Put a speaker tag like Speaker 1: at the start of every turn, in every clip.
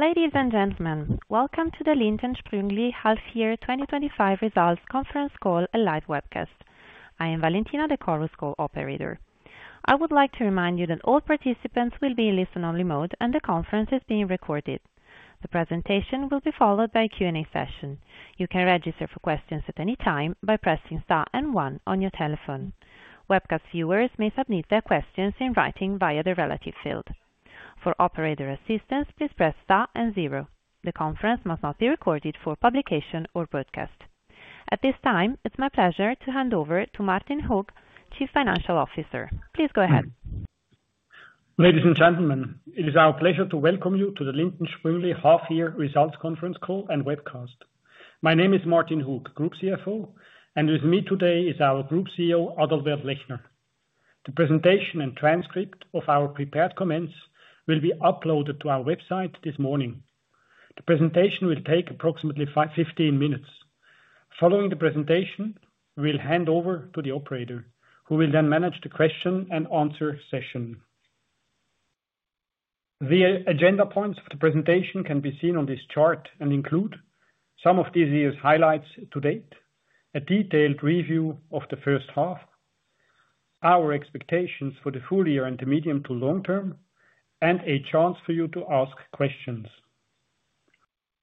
Speaker 1: Ladies and gentlemen, welcome to the Lindt & Sprüngli Half Year 2025 Results Conference Call and Live Webcast. I am Valentina De Corvo, Call Operator. I would like to remind you that all participants will be in listen-only mode and the conference is being recorded. The presentation will be followed by a Q&A session. You can register for questions at any time by pressing Star and 1 on your telephone. Webcast viewers may submit their questions in writing via the relevant field. For operator assistance, please press Star and 0. The conference must not be recorded for publication or broadcast. At this time, it's my pleasure to hand over to Martin Hug, Chief Financial Officer. Please go ahead.
Speaker 2: Ladies and gentlemen, it is our pleasure to welcome you to the Lindt & Sprüngli Half-Year Results Conference Call and Webcast. My name is Martin Hug, Group CFO, and with me today is our Group CEO, Adalbert Lechner. The presentation and transcript of our prepared comments will be uploaded to our website this morning. The presentation will take approximately 15 minutes. Following the presentation, we will hand over to the Operator, who will then manage the question and answer session. The agenda points of the presentation can be seen on this chart and include some of this year's highlights to date, a detailed review of the first half, our expectations for the full year and the medium to long term, and a chance for you to ask questions.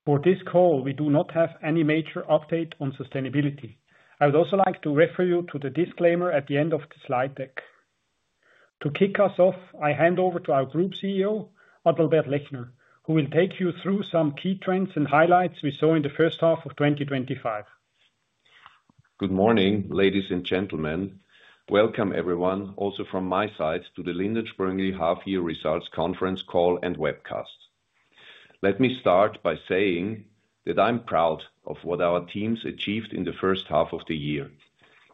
Speaker 2: For this call, we do not have any major update on sustainability. I would also like to refer you to the disclaimer at the end of the slide deck. To kick us off, I hand over to our Group CEO, Adalbert Lechner, who will take you through some key trends and highlights we saw in the first half of 2025.
Speaker 3: Good morning, ladies and gentlemen. Welcome everyone, also from my side, to the Lindt & Sprüngli Half-Year Results Conference Call and Webcast. Let me start by saying that I'm proud of what our teams achieved in the first half of the year.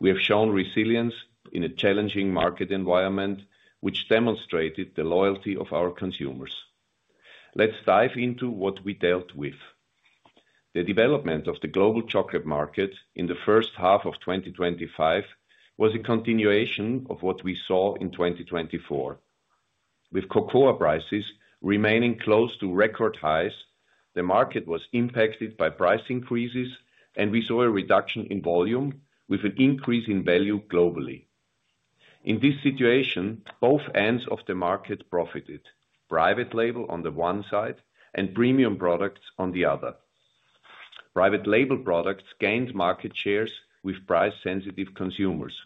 Speaker 3: We have shown resilience in a challenging market environment, which demonstrated the loyalty of our consumers. Let's dive into what we dealt with. The development of the global chocolate market in the first half of 2025 was a continuation of what we saw in 2024. With cocoa prices remaining close to record highs, the market was impacted by price increases, and we saw a reduction in volume with an increase in value globally. In this situation, both ends of the market profited: private label on the one side and premium products on the other. Private label products gained market shares with price-sensitive consumers.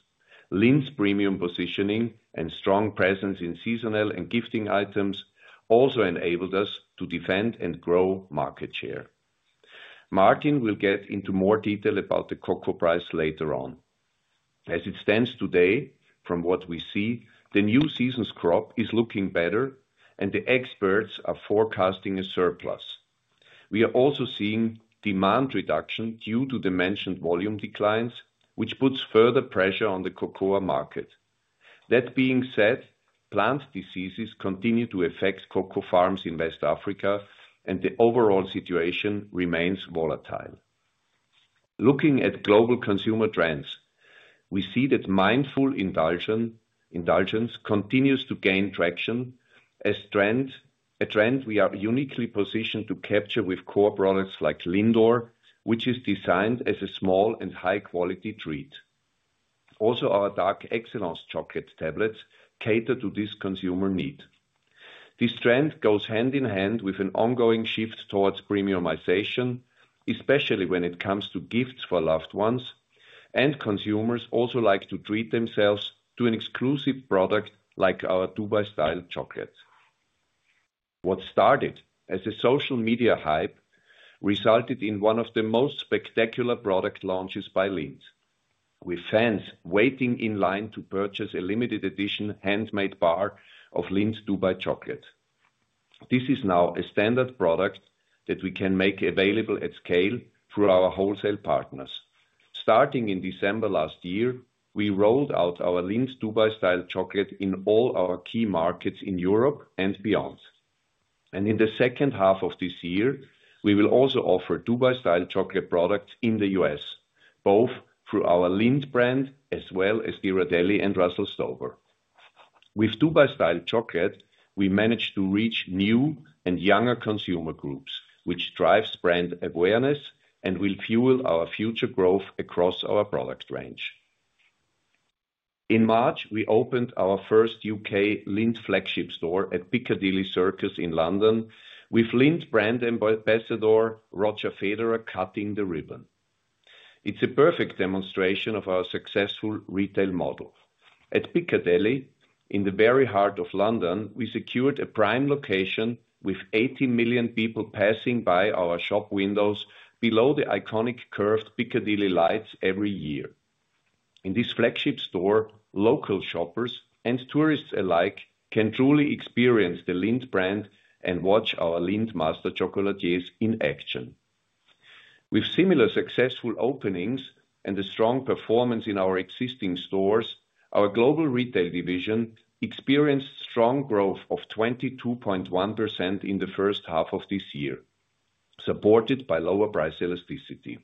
Speaker 3: Lindt's premium positioning and strong presence in seasonal and gifting items also enabled us to defend and grow market share. Martin will get into more detail about the cocoa price later on. As it stands today, from what we see, the new season's crop is looking better, and the experts are forecasting a surplus. We are also seeing demand reduction due to the mentioned volume declines, which puts further pressure on the cocoa market. That being said, plant diseases continue to affect cocoa farms in West Africa, and the overall situation remains volatile. Looking at global consumer trends, we see that mindful indulgence continues to gain traction, a trend we are uniquely positioned to capture with core products like Lindor, which is designed as a small and high-quality treat. Also, our Dark Excellence Chocolate tablets cater to this consumer need. This trend goes hand in hand with an ongoing shift towards premiumization, especially when it comes to gifts for loved ones, and consumers also like to treat themselves to an exclusive product like our Dubai-style chocolate. What started as a social media hype resulted in one of the most spectacular product launches by Lindt, with fans waiting in line to purchase a limited-edition handmade bar of Lindt Dubai chocolate. This is now a standard product that we can make available at scale through our wholesale partners. Starting in December last year, we rolled out our Lindt Dubai-style chocolate in all our key markets in Europe and beyond. In the second half of this year, we will also offer Dubai-style chocolate products in the U.S., both through our Lindt brand as well as Dear Adele and Russell Stover. With Dubai-style chocolate, we managed to reach new and younger consumer groups, which drives brand awareness and will fuel our future growth across our product range. In March, we opened our first U.K. Lindt flagship store at Piccadilly Circus in London, with Lindt brand ambassador Roger Federer cutting the ribbon. It's a perfect demonstration of our successful retail model. At Piccadilly, in the very heart of London, we secured a prime location with 80 million people passing by our shop windows below the iconic curved Piccadilly lights every year. In this flagship store, local shoppers and tourists alike can truly experience the Lindt brand and watch our Lindt Master Chocolatiers in action. With similar successful openings and a strong performance in our existing stores, our global retail division experienced strong growth of 22.1% in the first half of this year, supported by lower price elasticity.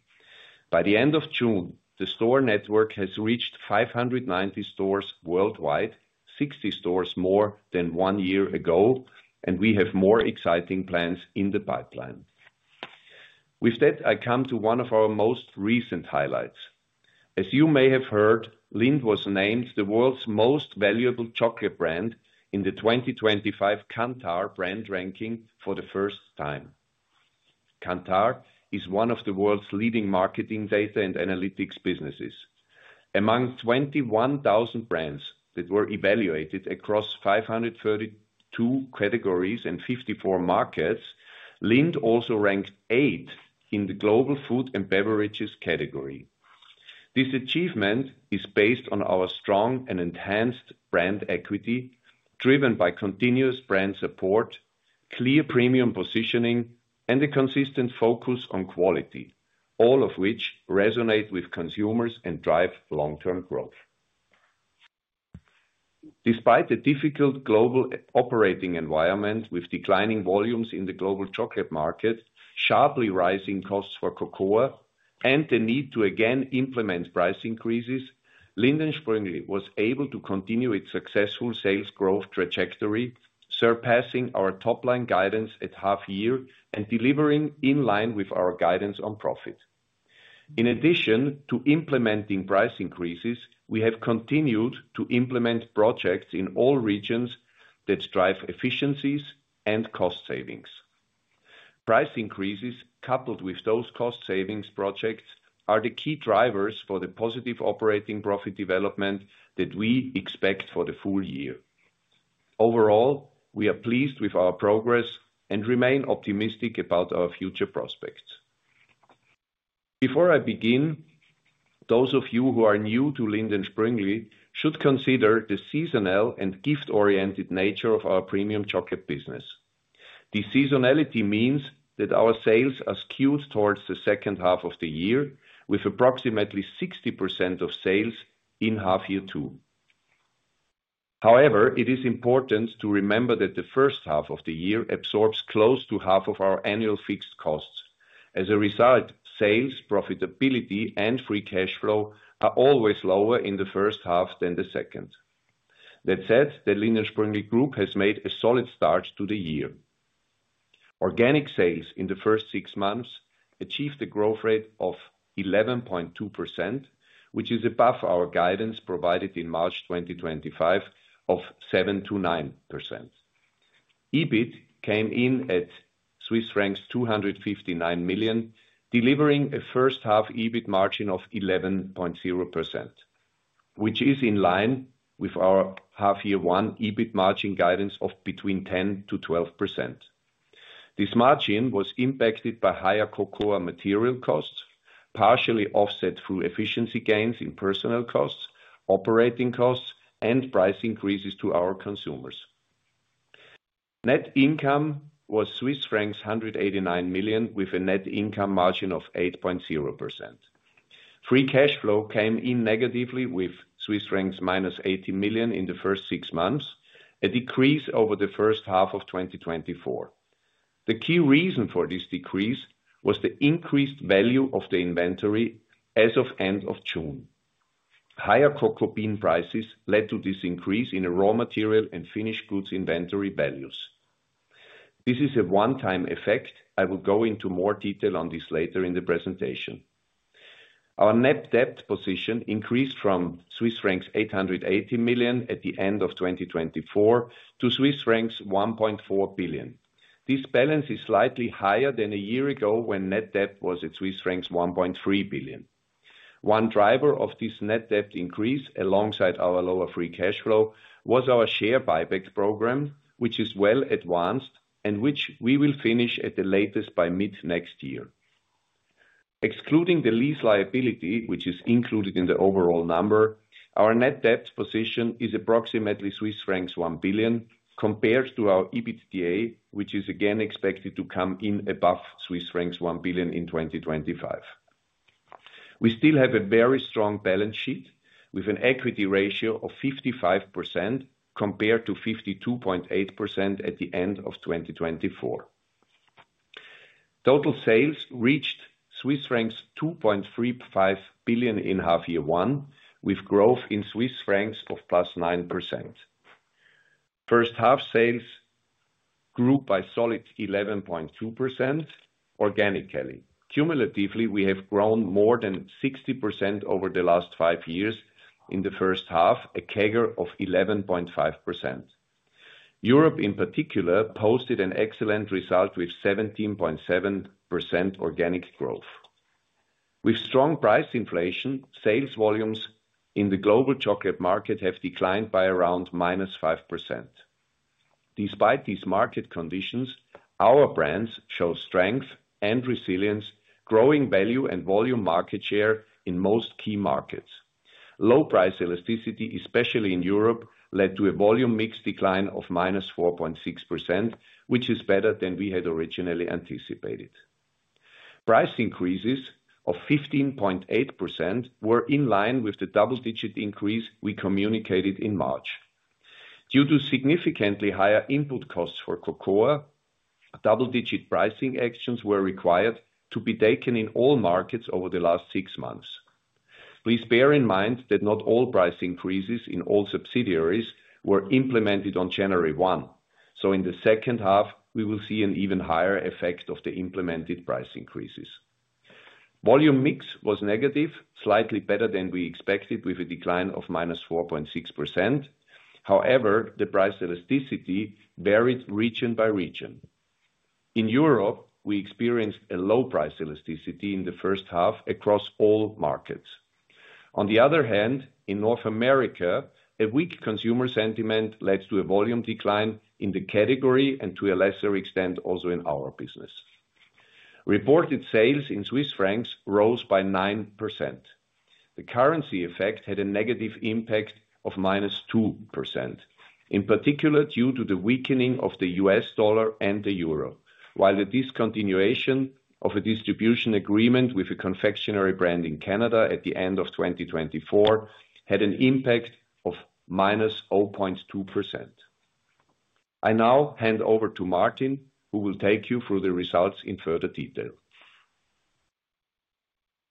Speaker 3: By the end of June, the store network has reached 590 stores worldwide, 60 stores more than one year ago, and we have more exciting plans in the pipeline. With that, I come to one of our most recent highlights. As you may have heard, Lindt was named the world's most valuable chocolate brand in the 2025 Kantar brand ranking for the first time. Kantar is one of the world's leading marketing data and analytics businesses. Among 21,000 brands that were evaluated across 532 categories and 54 markets, Lindt also ranked 8th in the global food and beverages category. This achievement is based on our strong and enhanced brand equity, driven by continuous brand support, clear premium positioning, and a consistent focus on quality, all of which resonate with consumers and drive long-term growth. Despite the difficult global operating environment with declining volumes in the global chocolate market, sharply rising costs for cocoa, and the need to again implement price increases, Lindt & Sprüngli was able to continue its successful sales growth trajectory, surpassing our top-line guidance at half-year and delivering in line with our guidance on profit. In addition to implementing price increases, we have continued to implement projects in all regions that drive efficiencies and cost savings. Price increases, coupled with those cost savings projects, are the key drivers for the positive operating profit development that we expect for the full year. Overall, we are pleased with our progress and remain optimistic about our future prospects. Before I begin, those of you who are new to Lindt & Sprüngli should consider the seasonal and gift-oriented nature of our premium chocolate business. This seasonality means that our sales are skewed towards the second half of the year, with approximately 60% of sales in half-year two. However, it is important to remember that the first half of the year absorbs close to half of our annual fixed costs. As a result, sales, profitability, and free cash flow are always lower in the first half than the second. That said, the Lindt & Sprüngli Group has made a solid start to the year. Organic sales in the first six months achieved a growth rate of 11.2%, which is above our guidance provided in March 2025 of 7.29%. EBIT came in at Swiss francs 259 million, delivering a first-half EBIT margin of 11.0%, which is in line with our half-year one EBIT margin guidance of between 10%-12%. This margin was impacted by higher cocoa material costs, partially offset through efficiency gains in personnel costs, operating costs, and price increases to our consumers. Net income was Swiss francs 189 million, with a net income margin of 8.0%. Free cash flow came in negatively, with -80 million Swiss francs in the first six months, a decrease over the first half of 2024. The key reason for this decrease was the increased value of the inventory as of end of June. Higher cocoa bean prices led to this increase in raw material and finished goods inventory values. This is a one-time effect. I will go into more detail on this later in the presentation. Our net debt position increased from Swiss francs 880 million at the end of 2024 to Swiss francs 1.4 billion. This balance is slightly higher than a year ago when net debt was at Swiss francs 1.3 billion. One driver of this net debt increase, alongside our lower free cash flow, was our share buyback program, which is well advanced and which we will finish at the latest by mid-next year. Excluding the lease liability, which is included in the overall number, our net debt position is approximately Swiss francs 1 billion compared to our EBITDA, which is again expected to come in above Swiss francs 1 billion in 2025. We still have a very strong balance sheet with an equity ratio of 55% compared to 52.8% at the end of 2024. Total sales reached Swiss francs 2.35 billion in half-year one, with growth in CHF of +9%. First-half sales grew by a solid 11.2% organically. Cumulatively, we have grown more than 60% over the last five years in the first half, a CAGR of 11.5%. Europe, in particular, posted an excellent result with 17.7% organic growth. With strong price inflation, sales volumes in the global chocolate market have declined by around -5%. Despite these market conditions, our brands show strength and resilience, growing value and volume market share in most key markets. Low price elasticity, especially in Europe, led to a volume mix decline of -4.6%, which is better than we had originally anticipated. Price increases of 15.8% were in line with the double-digit increase we communicated in March. Due to significantly higher input costs for cocoa, double-digit pricing actions were required to be taken in all markets over the last six months. Please bear in mind that not all price increases in all subsidiaries were implemented on January 1, so in the second half, we will see an even higher effect of the implemented price increases. Volume mix was negative, slightly better than we expected, with a decline of -4.6%. However, the price elasticity varied region by region. In Europe, we experienced a low price elasticity in the first half across all markets. On the other hand, in North America, a weak consumer sentiment led to a volume decline in the category and, to a lesser extent, also in our business. Reported sales in CHF rose by 9%. The currency effect had a negative impact of -2%, in particular due to the weakening of the U.S. dollar and the euro, while the discontinuation of a distribution agreement with a confectionery brand in Canada at the end of 2024 had an impact of -0.2%. I now hand over to Martin, who will take you through the results in further detail.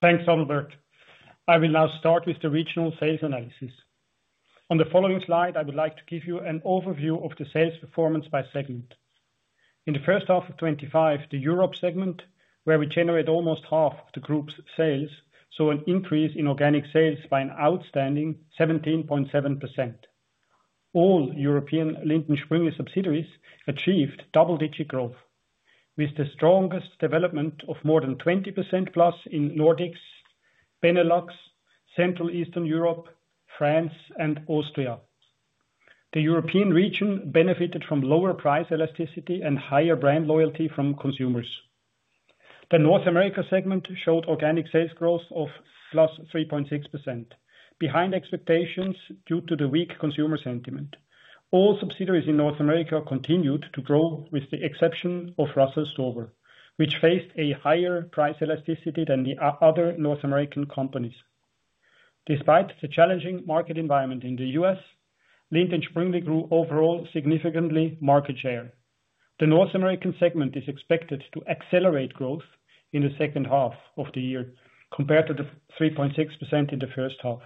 Speaker 2: Thanks, Adalbert. I will now start with the regional sales analysis. On the following slide, I would like to give you an overview of the sales performance by segment. In the first half of 2025, the Europe segment, where we generate almost half of the group's sales, saw an increase in organic sales by an outstanding 17.7%. All European Lindt & Sprüngli subsidiaries achieved double-digit growth, with the strongest development of more than 20% plus in Nordics, Benelux, Central Eastern Europe, France, and Austria. The European region benefited from lower price elasticity and higher brand loyalty from consumers. The North America segment showed organic sales growth of +3.6%, behind expectations due to the weak consumer sentiment. All subsidiaries in North America continued to grow, with the exception of Russell Stover, which faced a higher price elasticity than the other North American companies. Despite the challenging market environment in the U.S., Lindt & Sprüngli grew overall significantly market share. The North American segment is expected to accelerate growth in the second half of the year compared to the 3.6% in the first half,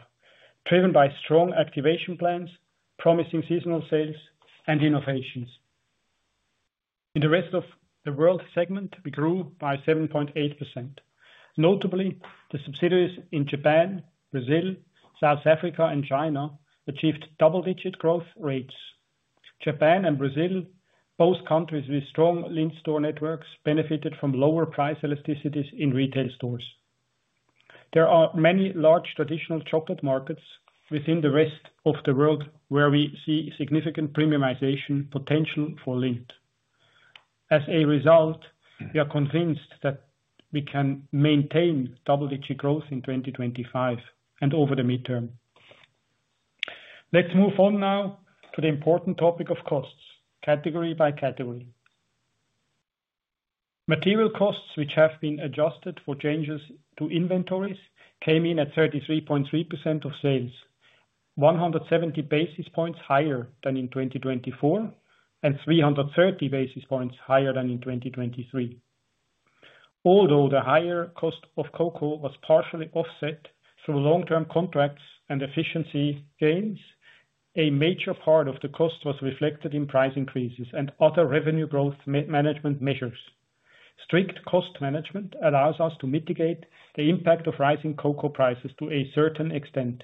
Speaker 2: driven by strong activation plans, promising seasonal sales, and innovations. In the Rest of World segment, we grew by 7.8%. Notably, the subsidiaries in Japan, Brazil, South Africa, and China achieved double-digit growth rates. Japan and Brazil, both countries with strong Lindt store networks, benefited from lower price elasticities in retail stores. There are many large traditional chocolate markets within the Rest of World where we see significant premiumization potential for Lindt. As a result, we are convinced that we can maintain double-digit growth in 2025 and over the midterm. Let's move on now to the important topic of costs, category by category. Material costs, which have been adjusted for changes to inventories, came in at 33.3% of sales, 170 basis points higher than in 2024 and 330 basis points higher than in 2023. Although the higher cost of cocoa was partially offset through long-term contracts and efficiency gains, a major part of the cost was reflected in price increases and other revenue growth management measures. Strict cost management allows us to mitigate the impact of rising cocoa prices to a certain extent,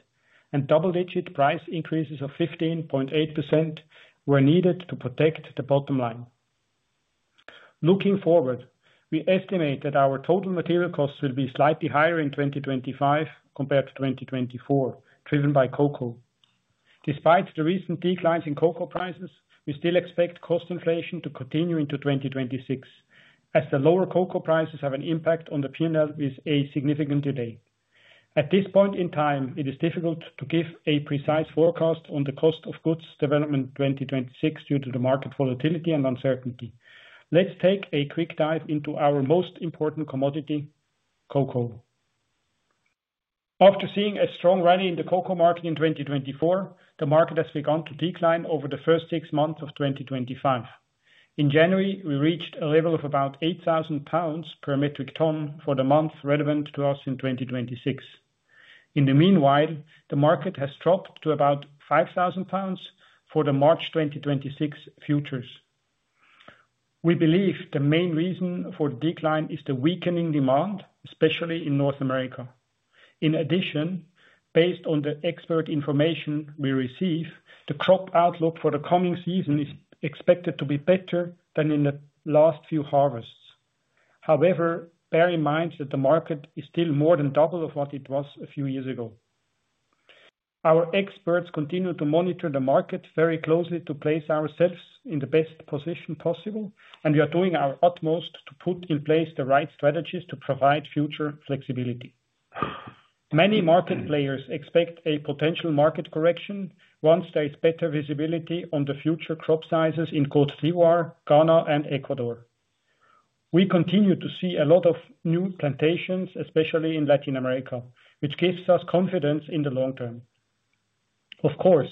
Speaker 2: and double-digit price increases of 15.8% were needed to protect the bottom line. Looking forward, we estimate that our total material costs will be slightly higher in 2025 compared to 2024, driven by cocoa. Despite the recent declines in cocoa prices, we still expect cost inflation to continue into 2026, as the lower cocoa prices have an impact on the P&L with a significant delay. At this point in time, it is difficult to give a precise forecast on the cost of goods development in 2026 due to the market volatility and uncertainty. Let's take a quick dive into our most important commodity, cocoa. After seeing a strong rally in the cocoa market in 2024, the market has begun to decline over the first six months of 2025. In January, we reached a level of about 8,000 pounds per metric ton for the month relevant to us in 2026. In the meanwhile, the market has dropped to about 5,000 pounds for the March 2026 futures. We believe the main reason for the decline is the weakening demand, especially in North America. In addition, based on the expert information we receive, the crop outlook for the coming season is expected to be better than in the last few harvests. However, bear in mind that the market is still more than double of what it was a few years ago. Our experts continue to monitor the market very closely to place ourselves in the best position possible, and we are doing our utmost to put in place the right strategies to provide future flexibility. Many market players expect a potential market correction once there is better visibility on the future crop sizes in Côte d’Ivoire, Ghana, and Ecuador. We continue to see a lot of new plantations, especially in Latin America, which gives us confidence in the long term. Of course,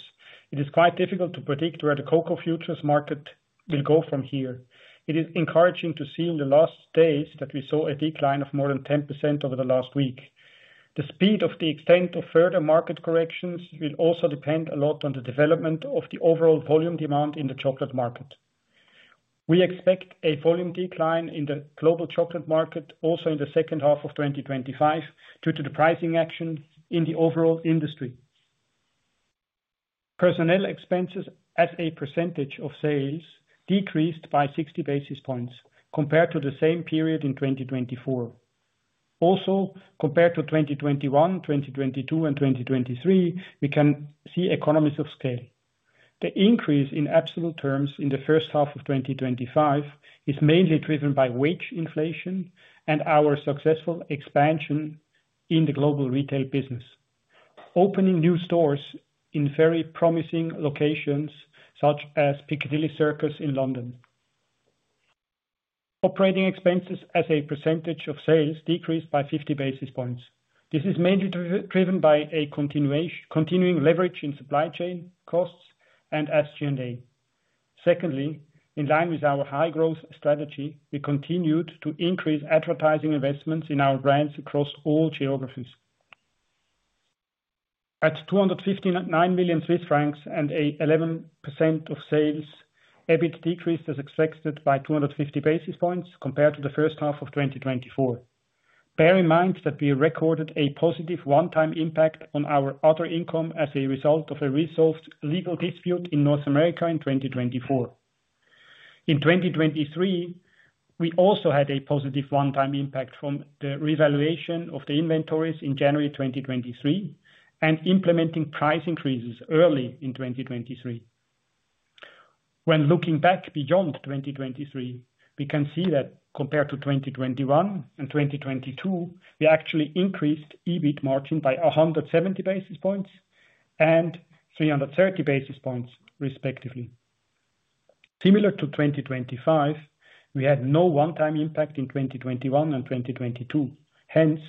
Speaker 2: it is quite difficult to predict where the cocoa futures market will go from here. It is encouraging to see in the last days that we saw a decline of more than 10% over the last week. The speed of the extent of further market corrections will also depend a lot on the development of the overall volume demand in the chocolate market. We expect a volume decline in the global chocolate market also in the second half of 2025 due to the pricing action in the overall industry. Personnel expenses, as a percentage of sales, decreased by 60 basis points compared to the same period in 2024. Also, compared to 2021, 2022, and 2023, we can see economies of scale. The increase in absolute terms in the first half of 2025 is mainly driven by wage inflation and our successful expansion in the global retail business. Opening new stores in very promising locations such as Piccadilly Circus in London. Operating expenses, as a percentage of sales, decreased by 50 basis points. This is mainly driven by a continuing leverage in supply chain costs and SG&A. Secondly, in line with our high-growth strategy, we continued to increase advertising investments in our brands across all geographies. At 259 million Swiss francs and an 11% of sales, EBIT decreased as expected by 250 basis points compared to the first half of 2024. Bear in mind that we recorded a positive one-time impact on our other income as a result of a resolved legal dispute in North America in 2024. In 2023, we also had a positive one-time impact from the revaluation of the inventories in January 2023 and implementing price increases early in 2023. When looking back beyond 2023, we can see that compared to 2021 and 2022, we actually increased EBIT margin by 170 basis points and 330 basis points, respectively. Similar to 2025, we had no one-time impact in 2021 and 2022. Hence,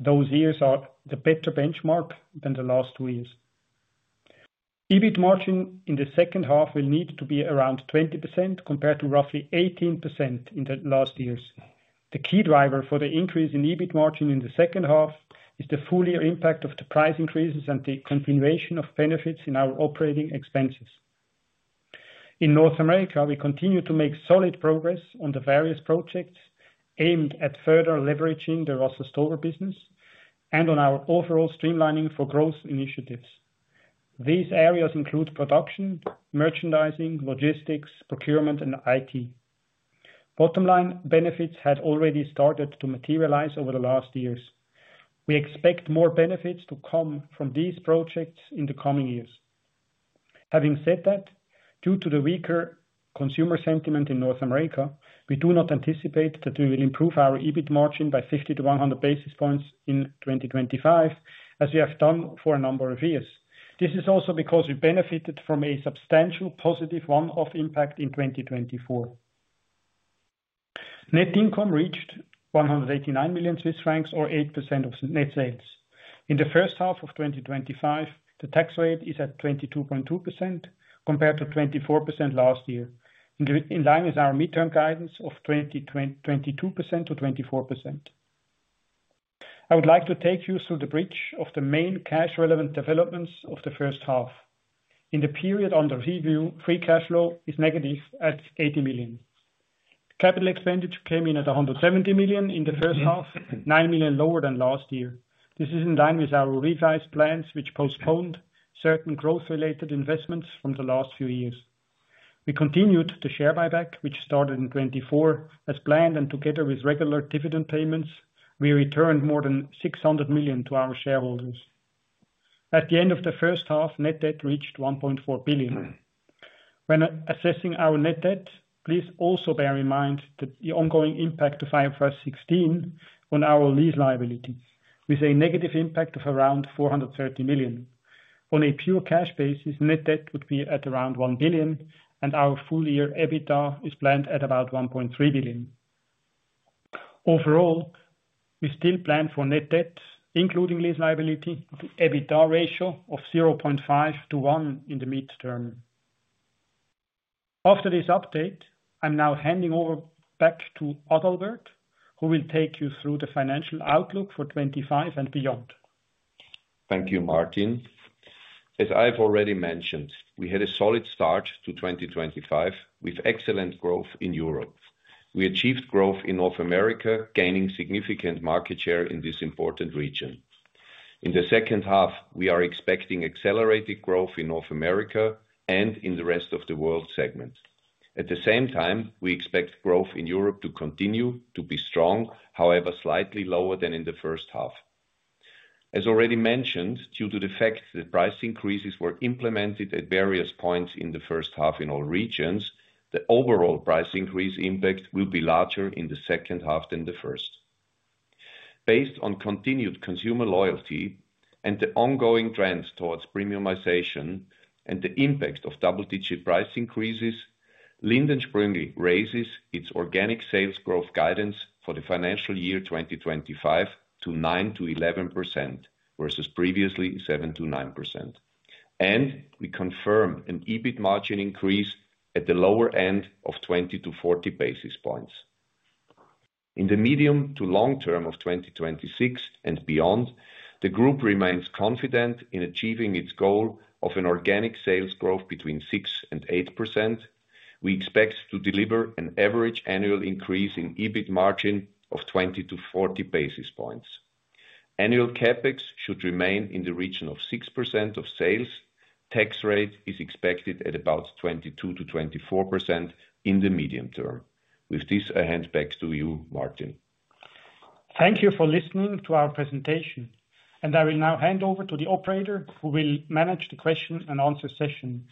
Speaker 2: those years are the better benchmark than the last two years. EBIT margin in the second half will need to be around 20% compared to roughly 18% in the last years. The key driver for the increase in EBIT margin in the second half is the full year impact of the price increases and the continuation of benefits in our operating expenses. In North America, we continue to make solid progress on the various projects aimed at further leveraging the Russell Stover business and on our overall streamlining for growth initiatives. These areas include production, merchandising, logistics, procurement, and IT. Bottom line benefits had already started to materialize over the last years. We expect more benefits to come from these projects in the coming years. Having said that, due to the weaker consumer sentiment in North America, we do not anticipate that we will improve our EBIT margin by 50-100 basis points in 2025, as we have done for a number of years. This is also because we benefited from a substantial positive one-off impact in 2024. Net income reached 189 million Swiss francs, or 8% of net sales. In the first half of 2025, the tax rate is at 22.2% compared to 24% last year, in line with our midterm guidance of 22%-24%. I would like to take you through the bridge of the main cash-relevant developments of the first half. In the period under review, free cash flow is negative at 80 million. Capital expenditure came in at 170 million in the first half, 9 million lower than last year. This is in line with our revised plans, which postponed certain growth-related investments from the last few years. We continued the share buyback, which started in 2024 as planned, and together with regular dividend payments, we returned more than 600 million to our shareholders. At the end of the first half, net debt reached 1.4 billion. When assessing our net debt, please also bear in mind the ongoing impact of IFRS 16 on our lease liability, with a negative impact of around 430 million. On a pure cash basis, net debt would be at around 1 billion, and our full year EBITDA is planned at about 1.3 billion. Overall. We still plan for net debt, including lease liability, to EBITDA ratio of 0.5-1 in the midterm. After this update, I'm now handing over back to Adalbert, who will take you through the financial outlook for 2025 and beyond.
Speaker 3: Thank you, Martin. As I've already mentioned, we had a solid start to 2025 with excellent growth in Europe. We achieved growth in North America, gaining significant market share in this important region. In the second half, we are expecting accelerated growth in North America and in the Rest of World segment. At the same time, we expect growth in Europe to continue, to be strong, however slightly lower than in the first half. As already mentioned, due to the fact that price increases were implemented at various points in the first half in all regions, the overall price increase impact will be larger in the second half than the first. Based on continued consumer loyalty and the ongoing trends towards premiumization and the impact of double-digit price increases, Lindt & Sprüngli raises its organic sales growth guidance for the financial year 2025 to 9-11% versus previously 7-9%. We confirm an EBIT margin increase at the lower end of 20-40 basis points. In the medium to long term of 2026 and beyond, the group remains confident in achieving its goal of an organic sales growth between 6% and 8%. We expect to deliver an average annual increase in EBIT margin of 20-40 basis points. Annual CapEx should remain in the region of 6% of sales. Tax rate is expected at about 22-24% in the medium term. With this, I hand back to you, Martin.
Speaker 2: Thank you for listening to our presentation, and I will now hand over to the operator who will manage the question and answer session.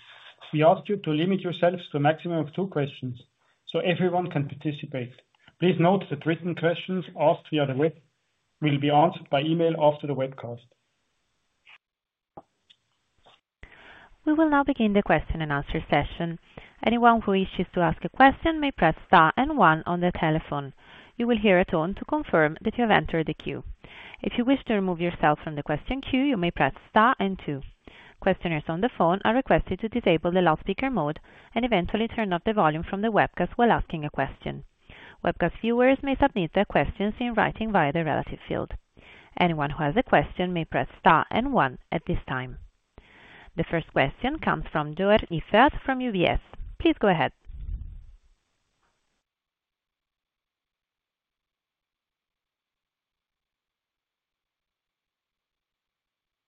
Speaker 2: We ask you to limit yourselves to a maximum of two questions so everyone can participate. Please note that written questions asked via the web will be answered by email after the webcast.
Speaker 1: We will now begin the question and answer session. Anyone who wishes to ask a question may press Star and 1 on the telephone. You will hear a tone to confirm that you have entered the queue. If you wish to remove yourself from the question queue, you may press Star and 2. Questioners on the phone are requested to disable the loudspeaker mode and eventually turn off the volume from the webcast while asking a question. Webcast viewers may submit their questions in writing via the relative field. Anyone who has a question may press Star and 1 at this time. The first question comes from Joern Iffert from UBS. Please go ahead.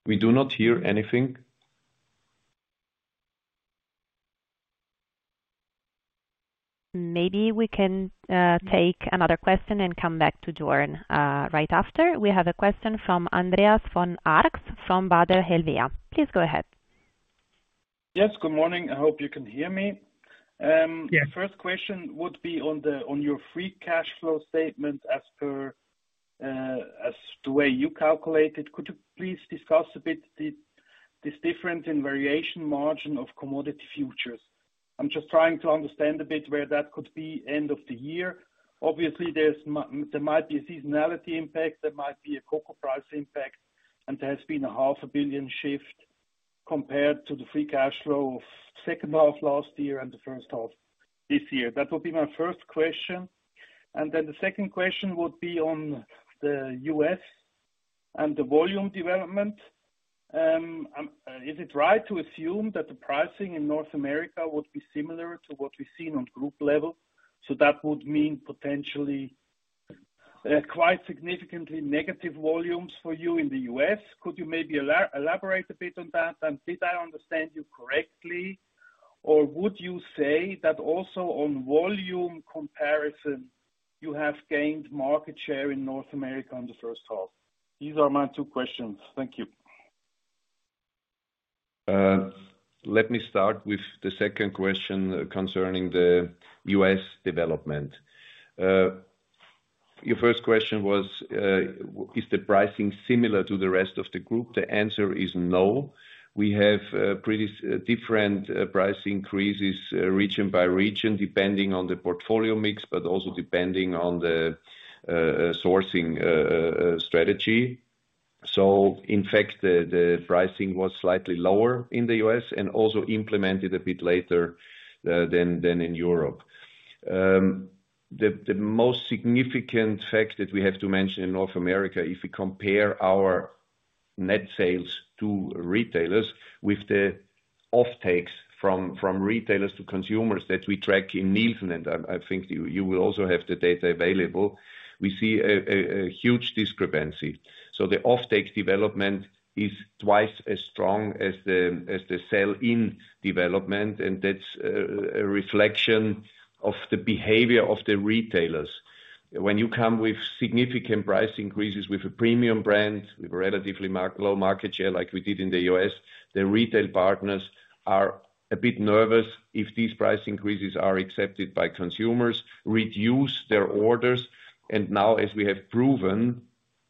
Speaker 3: We do not hear anything.
Speaker 1: Maybe we can take another question and come back to Joern right after. We have a question from Andreas von Arx from Baader Helvea. Please go ahead.
Speaker 4: Yes, good morning. I hope you can hear me. The first question would be on your free cash flow statement as per. The way you calculate it. Could you please discuss a bit. This difference in variation margin of commodity futures? I'm just trying to understand a bit where that could be end of the year. Obviously, there might be a seasonality impact. There might be a cocoa price impact, and there has been a 500 million shift compared to the free cash flow of the second half last year and the first half this year. That would be my first question. The second question would be on the U.S. and the volume development. Is it right to assume that the pricing in North America would be similar to what we've seen on group level? That would mean potentially quite significantly negative volumes for you in the U.S. Could you maybe elaborate a bit on that? Did I understand you correctly, or would you say that also on volume comparison you have gained market share in North America in the first half? These are my two questions. Thank you.
Speaker 3: Let me start with the second question concerning the U.S. development. Your first question was, is the pricing similar to the rest of the group? The answer is no. We have pretty different price increases region by region, depending on the portfolio mix, but also depending on the sourcing strategy. In fact, the pricing was slightly lower in the U.S. and also implemented a bit later than in Europe. The most significant fact that we have to mention in North America, if we compare our net sales to retailers with the offtakes from retailers to consumers that we track in Nielsen, and I think you will also have the data available, we see a huge discrepancy. The offtake development is twice as strong as the sell-in development, and that's a reflection of the behavior of the retailers. When you come with significant price increases with a premium brand, with a relatively low market share like we did in the U.S., the retail partners are a bit nervous if these price increases are accepted by consumers, reduce their orders. Now, as we have proven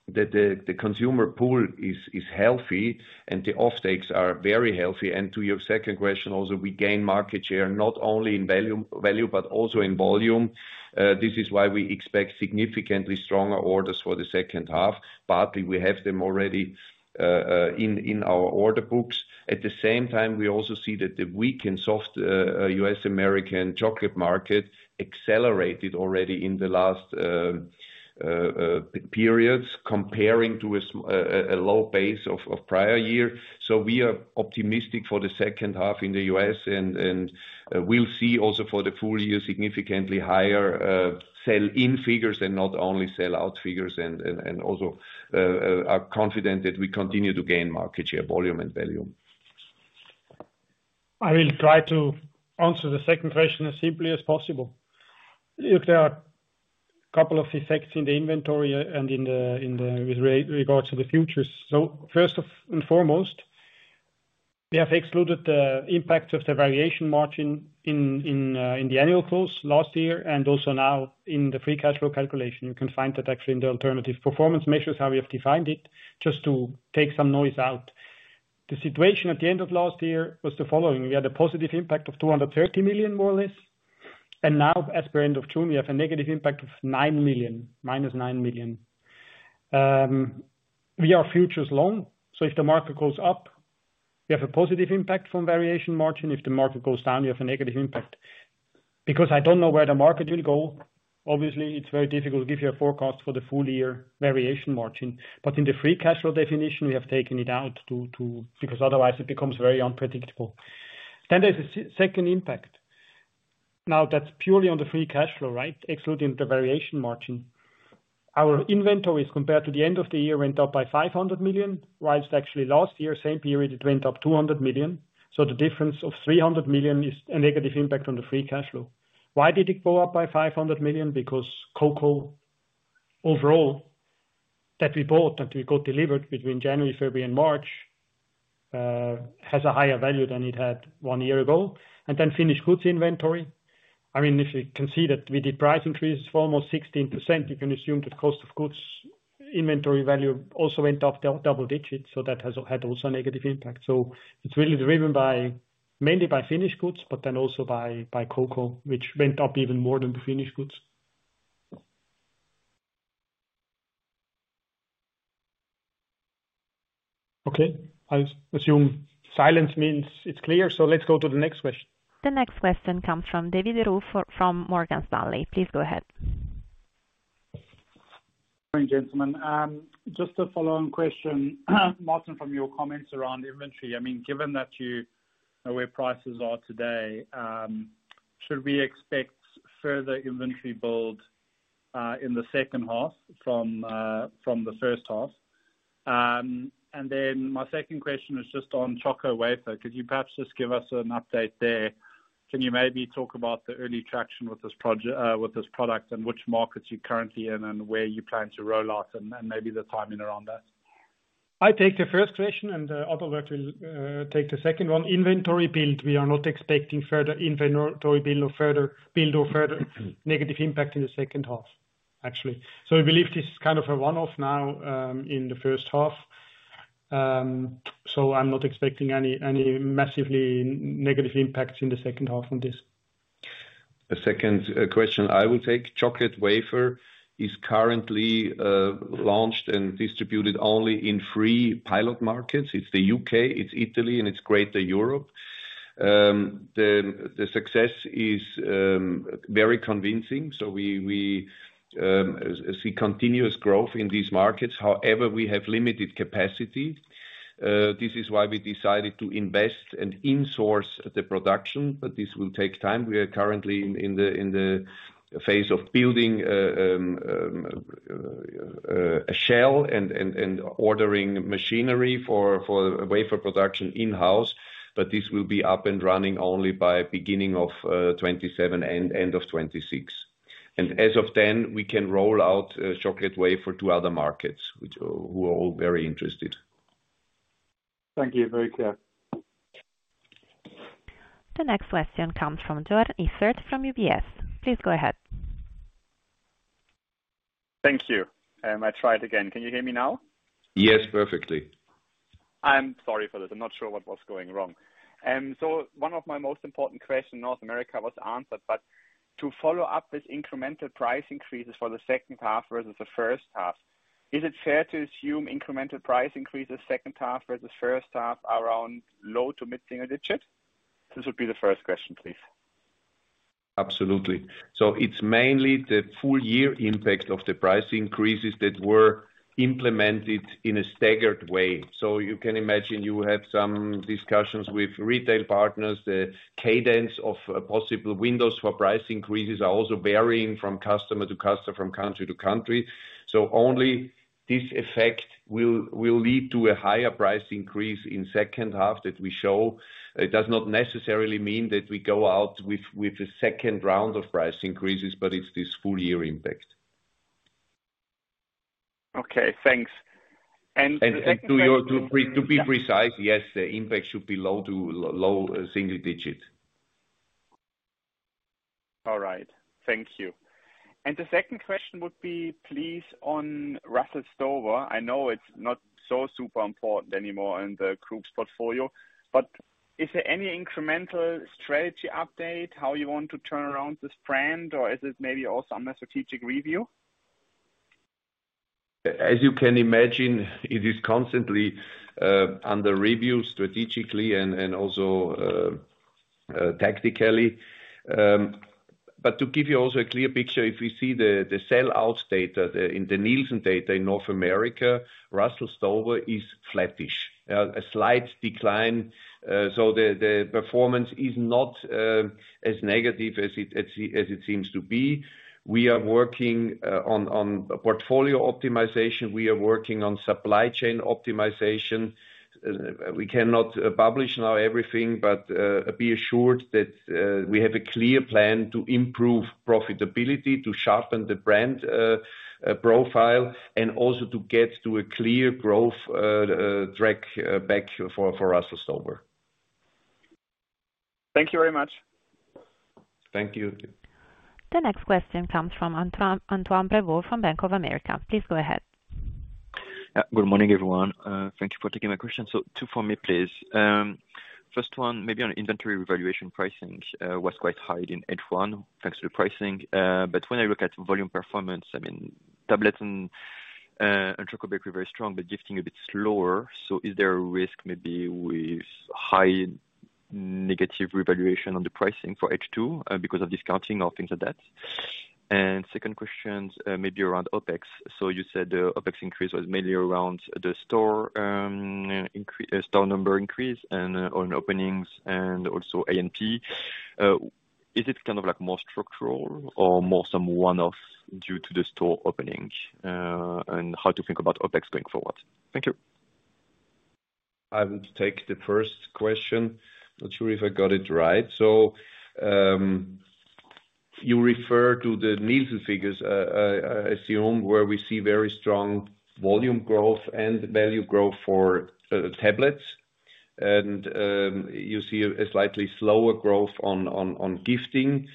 Speaker 3: that the consumer pool is healthy and the offtakes are very healthy, and to your second question also, we gain market share not only in value but also in volume. This is why we expect significantly stronger orders for the second half. Partly, we have them already in our order books. At the same time, we also see that the weakened soft U.S.- American chocolate market accelerated already in the last periods, comparing to a low base of prior year. We are optimistic for the second half in the U.S., and we'll see also for the full year significantly higher sell-in figures and not only sell-out figures. Also, are confident that we continue to gain market share, volume, and value.
Speaker 2: I will try to answer the second question as simply as possible. There are a couple of effects in the inventory and in regard to the futures. First and foremost, we have excluded the impact of the variation margin in the annual close last year and also now in the free cash flow calculation. You can find that actually in the alternative performance measures, how we have defined it, just to take some noise out. The situation at the end of last year was the following. We had a positive impact of 230 million, more or less. And now, as per end of June, we have a negative impact of 9 million, minus 9 million. We are futures long. If the market goes up, we have a positive impact from variation margin. If the market goes down, we have a negative impact. Because I do not know where the market will go, obviously, it is very difficult to give you a forecast for the full year variation margin. In the free cash flow definition, we have taken it out because otherwise it becomes very unpredictable. There is a second impact. That is purely on the free cash flow, right? Excluding the variation margin. Our inventories compared to the end of the year went up by 500 million, whereas actually last year, same period, it went up 200 million. The difference of 300 million is a negative impact on the free cash flow. Why did it go up by 500 million? Because cocoa. Overall. That we bought and we got delivered between January, February, and March has a higher value than it had one year ago. And then finished goods inventory. I mean, if you can see that we did price increases for almost 16%, you can assume that cost of goods inventory value also went up double digits. That had also a negative impact. It is really driven mainly by finished goods, but then also by cocoa, which went up even more than the finished goods. Okay. I assume silence means it is clear. Let us go to the next question.
Speaker 1: The next question comes from David Roux from Morgan Stanley. Please go ahead.
Speaker 5: Morning, gentlemen. Just a follow-on question, Martin, from your comments around inventory. I mean, given that you know where prices are today. Should we expect further inventory build in the second half from the first half? My second question is just on chocolate wafer. Could you perhaps just give us an update there? Can you maybe talk about the early traction with this product and which markets you are currently in and where you plan to roll out and maybe the timing around that?
Speaker 2: I take the first question, and Adalbert will take the second one. Inventory build, we are not expecting further inventory build or further build or further negative impact in the second half, actually. We believe this is kind of a one-off now in the first half. I am not expecting any massively negative impacts in the second half on this.
Speaker 3: The second question I will take. Chocolate wafer is currently launched and distributed only in three pilot markets. It is the U.K., it is Italy, and it is Greater Europe. The success is very convincing. We see continuous growth in these markets. However, we have limited capacity. This is why we decided to invest and insource the production, but this will take time. We are currently in the phase of building a shell and ordering machinery for wafer production in-house, but this will be up and running only by beginning of 2027 and end of 2026. As of then, we can roll out chocolate wafer to other markets, which are all very interested.
Speaker 5: Thank you. Very clear.
Speaker 1: The next question comes from Joern Iffert from UBS. Please go ahead.
Speaker 6: Thank you. I tried again. Can you hear me now?
Speaker 3: Yes, perfectly.
Speaker 6: I'm sorry for this. I'm not sure what was going wrong. One of my most important questions in North America was answered, but to follow up with incremental price increases for the second half versus the first half, is it fair to assume incremental price increases second half versus first half are around low to mid single digit? This would be the first question, please.
Speaker 3: Absolutely. It is mainly the full year impact of the price increases that were implemented in a staggered way. You can imagine you have some discussions with retail partners. The cadence of possible windows for price increases are also varying from customer to customer, from country to country. Only this effect will lead to a higher price increase in the second half that we show. It does not necessarily mean that we go out with a second round of price increases, but it is this full year impact.
Speaker 6: Okay. Thanks.
Speaker 3: To be precise, yes, the impact should be low to low single digit.
Speaker 6: All right. Thank you. The second question would be, please, on Russell Stover. I know it is not so super important anymore in the group's portfolio, but is there any incremental strategy update, how you want to turn around this trend, or is it maybe also a strategic review?
Speaker 3: As you can imagine, it is constantly under review strategically and also tactically. To give you also a clear picture, if we see the sell-out data in the Nielsen data in North America, Russell Stover is flattish, a slight decline. The performance is not as negative as it seems to be. We are working on portfolio optimization. We are working on supply chain optimization. We cannot publish now everything, but be assured that we have a clear plan to improve profitability, to sharpen the brand profile, and also to get to a clear growth track back for Russell Stover.
Speaker 6: Thank you very much.
Speaker 3: Thank you.
Speaker 1: The next question comes from Antoine Prevot from Bank of America. Please go ahead.
Speaker 7: Good morning, everyone. Thank you for taking my question. Two for me, please. First one, maybe on inventory evaluation, pricing was quite high in H1 thanks to the pricing. When I look at volume performance, I mean, tablets and chocolate wafer are very strong, but gifting a bit slower. Is there a risk maybe with high. Negative revaluation on the pricing for H2 because of discounting or things like that? Second question is maybe around OpEx. You said the OpEx increase was mainly around the store number increase and openings and also A&P. Is it kind of more structural or more some one-off due to the store opening? How to think about OpEx going forward? Thank you.
Speaker 3: I will take the first question. Not sure if I got it right. You refer to the Nielsen figures, I assume, where we see very strong volume growth and value growth for tablets. You see a slightly slower growth on gifting.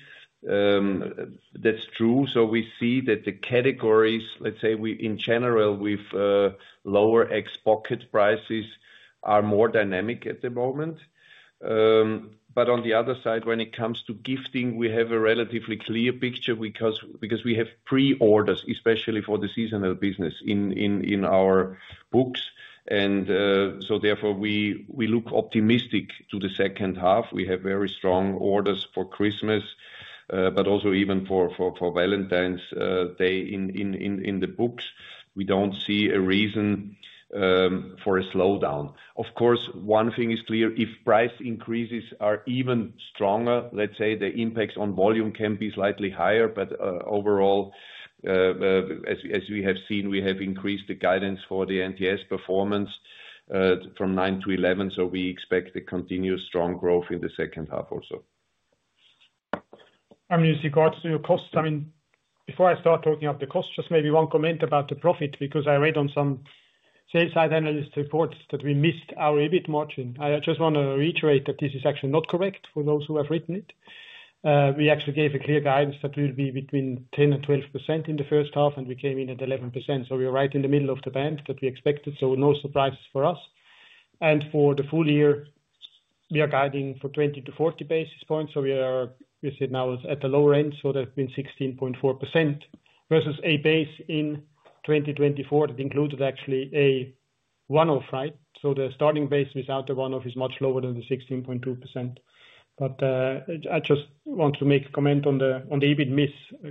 Speaker 3: That's true. We see that the categories, let's say, in general, with lower ex-pocket prices are more dynamic at the moment. On the other side, when it comes to gifting, we have a relatively clear picture because we have pre-orders, especially for the seasonal business in our books. Therefore, we look optimistic to the second half. We have very strong orders for Christmas, but also even for Valentine's Day in the books. We don't see a reason for a slowdown. Of course, one thing is clear. If price increases are even stronger, let's say the impact on volume can be slightly higher. Overall, as we have seen, we have increased the guidance for the NTS performance from 9-11. We expect a continuous strong growth in the second half also.
Speaker 2: I mean, with regards to your costs, before I start talking about the costs, just maybe one comment about the profit because I read on some sell-side analyst reports that we missed our EBIT margin. I just want to reiterate that this is actually not correct for those who have written it. We actually gave a clear guidance that we'll be between 10-12% in the first half, and we came in at 11%. We were right in the middle of the band that we expected. No surprises for us. For the full year, we are guiding for 20-40 basis points. We are now at the lower end. That's been 16.4% versus a base in 2024 that included actually a one-off, right? The starting base without the one-off is much lower than the 16.2%. I just want to make a comment on the EBIT miss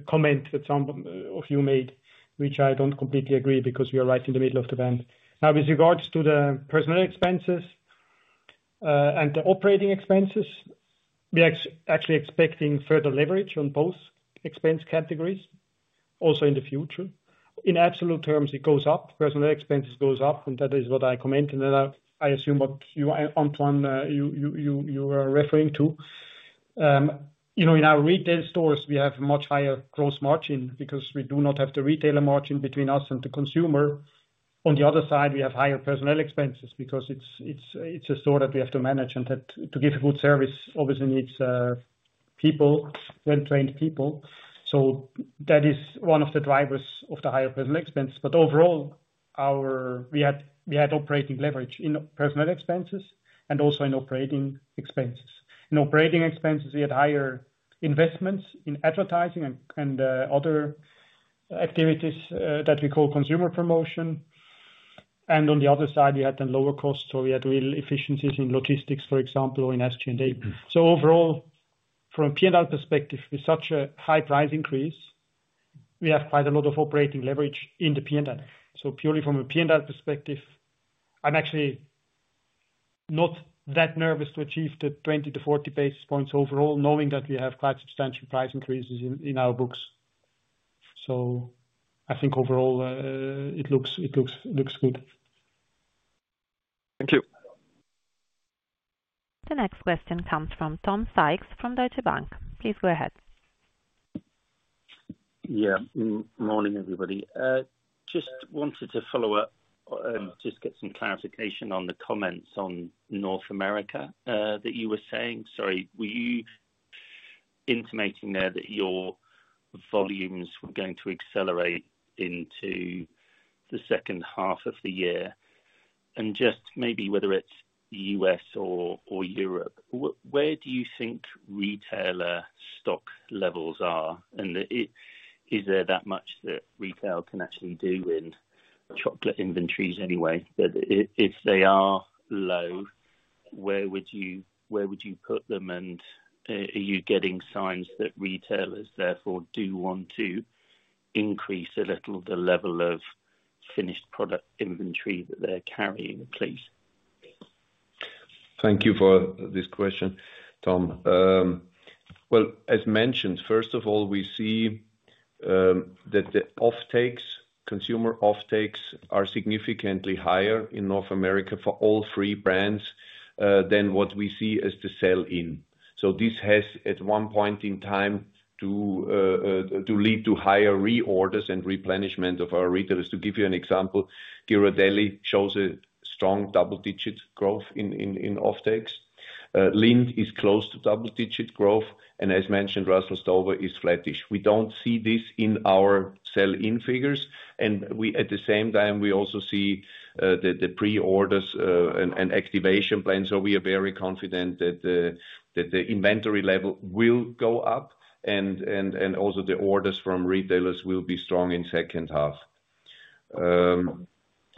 Speaker 2: comment that some of you made, which I don't completely agree because you are right in the middle of the band. Now, with regards to the personnel expenses and the operating expenses, we are actually expecting further leverage on both expense categories also in the future. In absolute terms, it goes up. Personnel expenses go up, and that is what I commented. I assume what you, Antoine, you were referring to. In our retail stores, we have a much higher gross margin because we do not have the retailer margin between us and the consumer. On the other side, we have higher personal expenses because it's a store that we have to manage. And to give good service, obviously, needs people, well-trained people. That is one of the drivers of the higher personal expenses. Overall, we had operating leverage in personal expenses and also in operating expenses. In operating expenses, we had higher investments in advertising and other activities that we call consumer promotion. On the other side, we had lower costs. We had real efficiencies in logistics, for example, or in SG&A. Overall, from a P&L perspective, with such a high price increase, we have quite a lot of operating leverage in the P&L. Purely from a P&L perspective, I'm actually not that nervous to achieve the 20-40 basis points overall, knowing that we have quite substantial price increases in our books. I think overall, it looks good.
Speaker 7: Thank you.
Speaker 1: The next question comes from Tom Sykes from Deutsche Bank. Please go ahead.
Speaker 8: Yeah. Morning, everybody. Just wanted to follow up and just get some clarification on the comments on North America that you were saying. Sorry, were you intimating there that your volumes were going to accelerate into the second half of the year? And just maybe whether it's U.S. or Europe, where do you think retailer stock levels are? Is there that much that retail can actually do in chocolate inventories anyway? If they are low, where would you put them? Are you getting signs that retailers, therefore, do want to increase a little the level of finished product inventory that they're carrying, please?
Speaker 3: Thank you for this question, Tom. As mentioned, first of all, we see that the offtakes, consumer offtakes, are significantly higher in North America for all three brands than what we see as the sell-in. This has, at one point in time, to lead to higher reorders and replenishment of our retailers. To give you an example, Ghirardelli shows a strong double-digit growth in offtakes. Lindt is close to double-digit growth. As mentioned, Russell Stover is flattish. We don't see this in our sell-in figures. At the same time, we also see the pre-orders and activation plans. We are very confident that the inventory level will go up, and also the orders from retailers will be strong in the second half.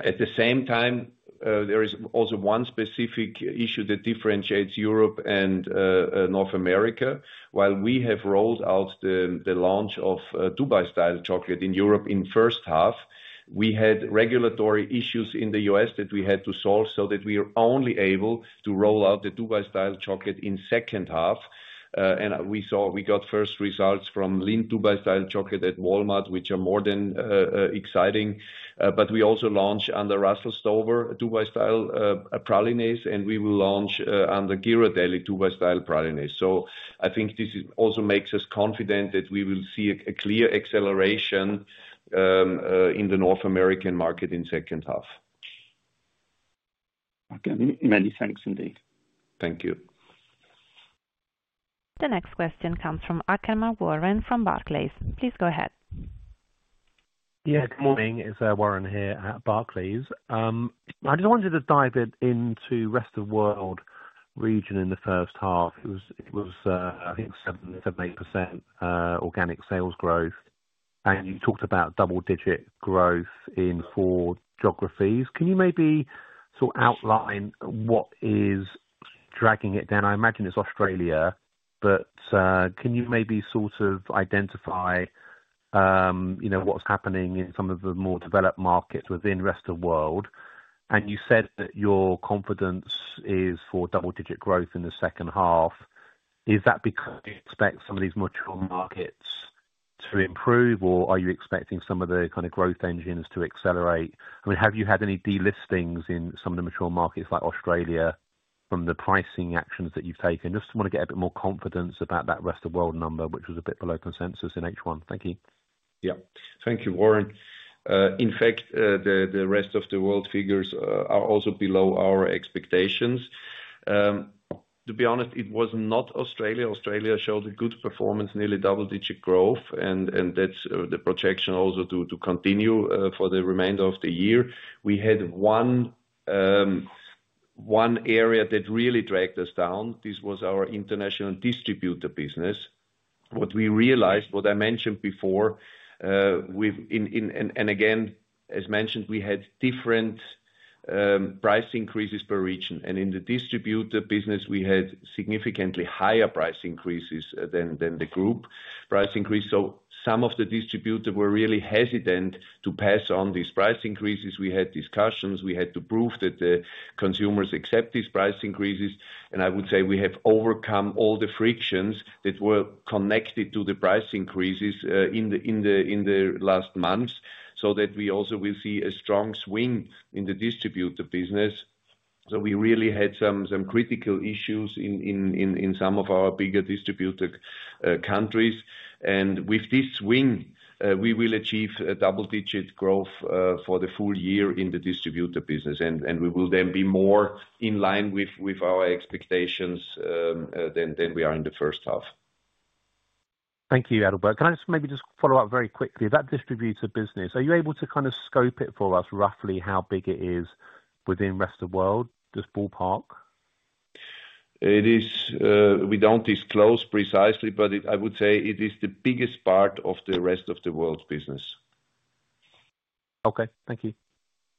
Speaker 3: At the same time, there is also one specific issue that differentiates Europe and North America. While we have rolled out the launch of Dubai-style chocolate in Europe in the first half, we had regulatory issues in the U.S. that we had to solve so that we were only able to roll out the Dubai-style chocolate in the second half. We got first results from Lindt Dubai-style chocolate at Walmart, which are more than exciting. We also launched under Russell Stover Dubai-style pralines, and we will launch under Ghirardelli Dubai-style pralines. I think this also makes us confident that we will see a clear acceleration in the North American market in the second half.
Speaker 8: Okay. Many thanks, indeed.
Speaker 3: Thank you.
Speaker 1: The next question comes from Warren Ackerman from Barclays. Please go ahead.
Speaker 9: Yeah. Good morning. It's Warren here at Barclays. I just wanted to dive into the rest of the world region in the first half. It was, I think, 7-8% organic sales growth. And you talked about double-digit growth in four geographies. Can you maybe sort of outline what is dragging it down? I imagine it's Australia, but can you maybe sort of identify what's happening in some of the more developed markets within the rest of the world? And you said that your confidence is for double-digit growth in the second half. Is that because you expect some of these mature markets to improve, or are you expecting some of the kind of growth engines to accelerate? I mean, have you had any delistings in some of the mature markets like Australia from the pricing actions that you've taken? Just want to get a bit more confidence about that rest of the world number, which was a bit below consensus in H1. Thank you.
Speaker 3: Yeah. Thank you, Warren. In fact, the rest of the world figures are also below our expectations. To be honest, it was not Australia. Australia showed a good performance, nearly double-digit growth, and that's the projection also to continue for the remainder of the year. We had one area that really dragged us down. This was our international distributor business. What we realized, what I mentioned before, and again, as mentioned, we had different price increases per region. And in the distributor business, we had significantly higher price increases than the group price increase. Some of the distributors were really hesitant to pass on these price increases. We had discussions. We had to prove that the consumers accept these price increases. I would say we have overcome all the frictions that were connected to the price increases in the last months so that we also will see a strong swing in the distributor business. We really had some critical issues in some of our bigger distributor countries. With this swing, we will achieve double-digit growth for the full year in the distributor business. We will then be more in line with our expectations than we are in the first half.
Speaker 9: Thank you, Adalbert. Can I just maybe just follow up very quickly? That distributor business, are you able to kind of scope it for us roughly how big it is within the rest of the world, just ballpark?
Speaker 3: We don't disclose precisely, but I would say it is the biggest part of the rest of the world's business.
Speaker 9: Okay. Thank you.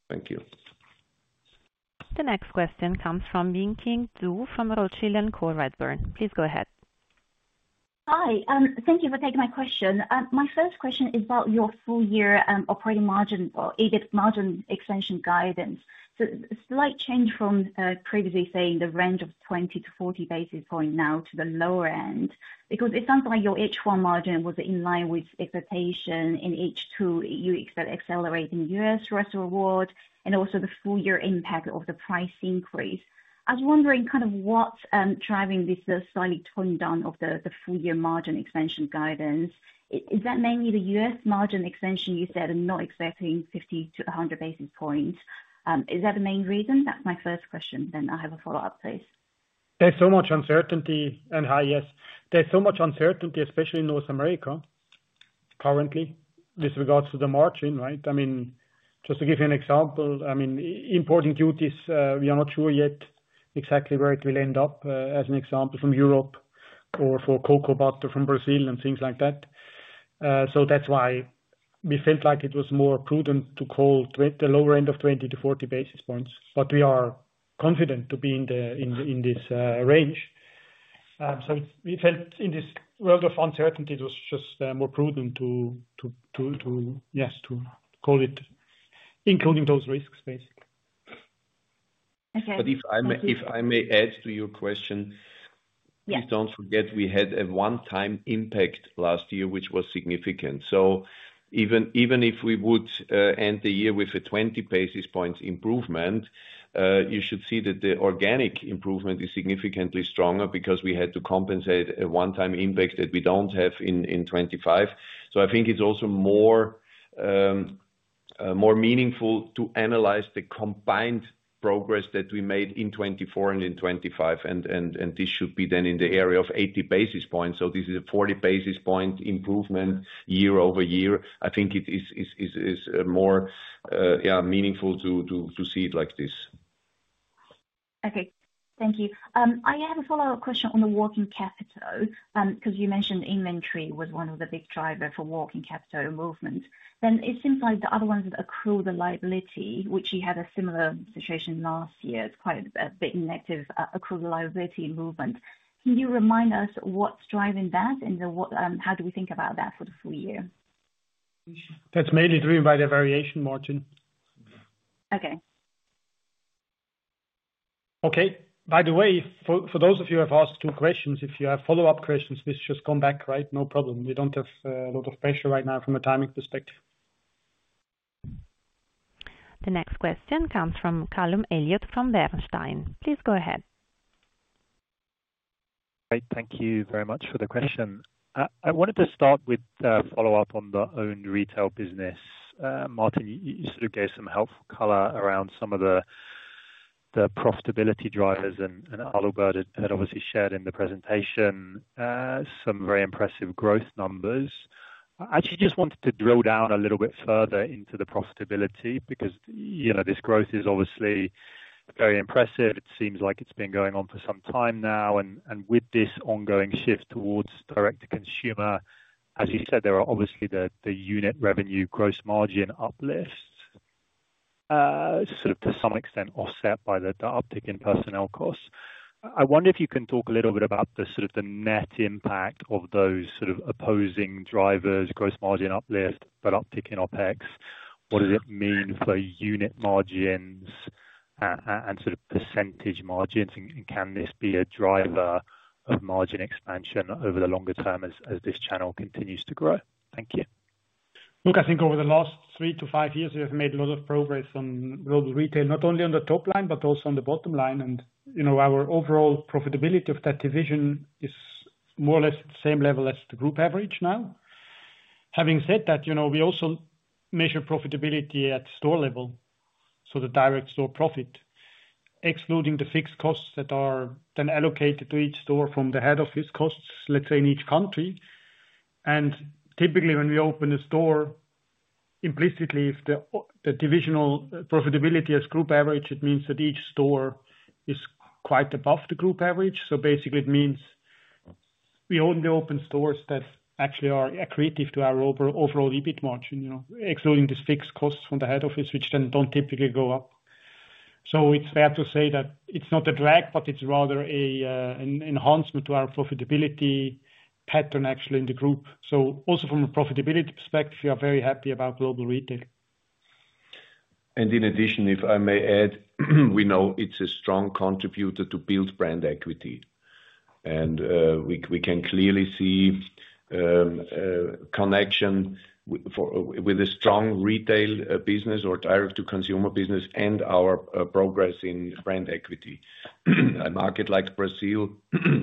Speaker 3: Thank you. The next question comes from Bingqing Zhu from Rothschild and Co. Redburn, please go ahead.
Speaker 10: Hi. Thank you for taking my question. My first question is about your full-year operating margin or EBIT margin extension guidance. Slight change from previously saying the range of 20-40 basis points now to the lower end because it sounds like your H1 margin was in line with expectation in H2. You accelerated in U.S., Rest of World, and also the full-year impact of the price increase. I was wondering kind of what's driving this slightly toned down of the full-year margin extension guidance. Is that mainly the U.S. margin extension you said and not expecting 50-100 basis points? Is that the main reason? That's my first question. I have a follow-up, please.
Speaker 2: There's so much uncertainty and high, yes. There's so much uncertainty, especially in North America. Currently, with regards to the margin, right? I mean, just to give you an example, importing duties, we are not sure yet exactly where it will end up, as an example, from Europe or for cocoa butter from Brazil and things like that. That's why we felt like it was more prudent to call the lower end of 20-40 basis points. We are confident to be in this range. We felt in this world of uncertainty, it was just more prudent to, yes, to call it, including those risks, basically.
Speaker 3: If I may add to your question, please do not forget we had a one-time impact last year, which was significant. Even if we would end the year with a 20 basis points improvement, you should see that the organic improvement is significantly stronger because we had to compensate a one-time impact that we do not have in 2025. I think it is also more meaningful to analyze the combined progress that we made in 2024 and in 2025. This should be then in the area of 80 basis points. This is a 40 basis point improvement year over year. I think it is more meaningful to see it like this.
Speaker 10: Okay. Thank you. I have a follow-up question on the working capital because you mentioned inventory was one of the big drivers for working capital movement. It seems like the other one is that accrued liability, which you had a similar situation last year. It is quite a bit negative accrued liability movement. Can you remind us what's driving that and how do we think about that for the full year?
Speaker 2: That's mainly driven by the variation margin.
Speaker 10: Okay.
Speaker 2: Okay. By the way, for those of you who have asked two questions, if you have follow-up questions, please just come back, right? No problem. We do not have a lot of pressure right now from a timing perspective.
Speaker 1: The next question comes from Karloem Elliott from Bernstein. Please go ahead.
Speaker 11: Great. Thank you very much for the question. I wanted to start with a follow-up on the owned retail business. Martin, you sort of gave some health color around some of the. Profitability drivers, and Adalbert had obviously shared in the presentation. Some very impressive growth numbers. I actually just wanted to drill down a little bit further into the profitability because this growth is obviously very impressive. It seems like it's been going on for some time now. With this ongoing shift towards direct-to-consumer, as you said, there are obviously the unit revenue gross margin uplifts, sort of to some extent offset by the uptick in personnel costs. I wonder if you can talk a little bit about the sort of net impact of those sort of opposing drivers, gross margin uplift, but uptick in OpEx. What does it mean for unit margins and sort of percentage margins? Can this be a driver of margin expansion over the longer term as this channel continues to grow? Thank you.
Speaker 2: Look, I think over the last three to five years, we have made a lot of progress on Global Retail, not only on the top line but also on the bottom line. Our overall profitability of that division is more or less at the same level as the group average now. Having said that, we also measure profitability at store level, so the direct store profit, excluding the fixed costs that are then allocated to each store from the head office costs, let's say, in each country. Typically, when we open a store, implicitly, if the divisional profitability is group average, it means that each store is quite above the group average. Basically, it means we own the open stores that actually are accretive to our overall EBIT margin, excluding the fixed costs from the head office, which then do not typically go up. It is fair to say that it is not a drag, but it is rather an enhancement to our profitability pattern, actually, in the group. Also from a profitability perspective, we are very happy about Global Retail.
Speaker 3: In addition, if I may add, we know it is a strong contributor to build brand equity. We can clearly see a connection with a strong retail business or direct-to-consumer business and our progress in brand equity. A market like Brazil,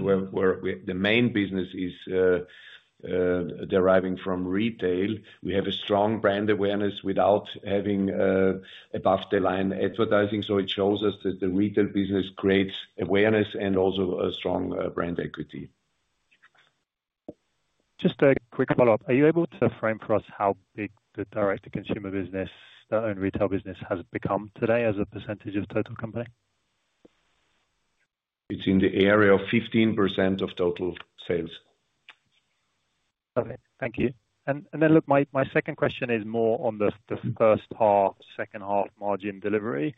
Speaker 3: where the main business is deriving from retail, we have a strong brand awareness without having above-the-line advertising. It shows us that the retail business creates awareness and also a strong brand equity.
Speaker 11: Just a quick follow-up. Are you able to frame for us how big the direct-to-consumer business, the owned retail business, has become today as a percentage of total company?
Speaker 3: It is in the area of 15% of total sales.
Speaker 11: Okay. Thank you. My second question is more on the first half, second half margin delivery.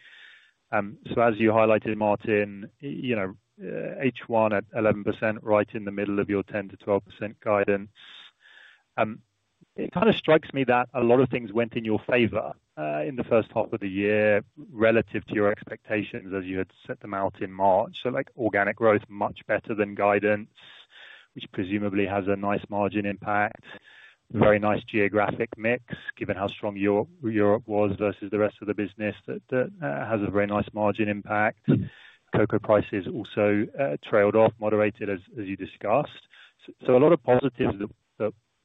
Speaker 11: As you highlighted, Martin, H1 at 11%, right in the middle of your 10-12% guidance. It kind of strikes me that a lot of things went in your favor in the first half of the year relative to your expectations as you had set them out in March. Organic growth, much better than guidance, which presumably has a nice margin impact. Very nice geographic mix, given how strong Europe was versus the rest of the business, that has a very nice margin impact. Cocoa prices also trailed off, moderated, as you discussed. A lot of positives that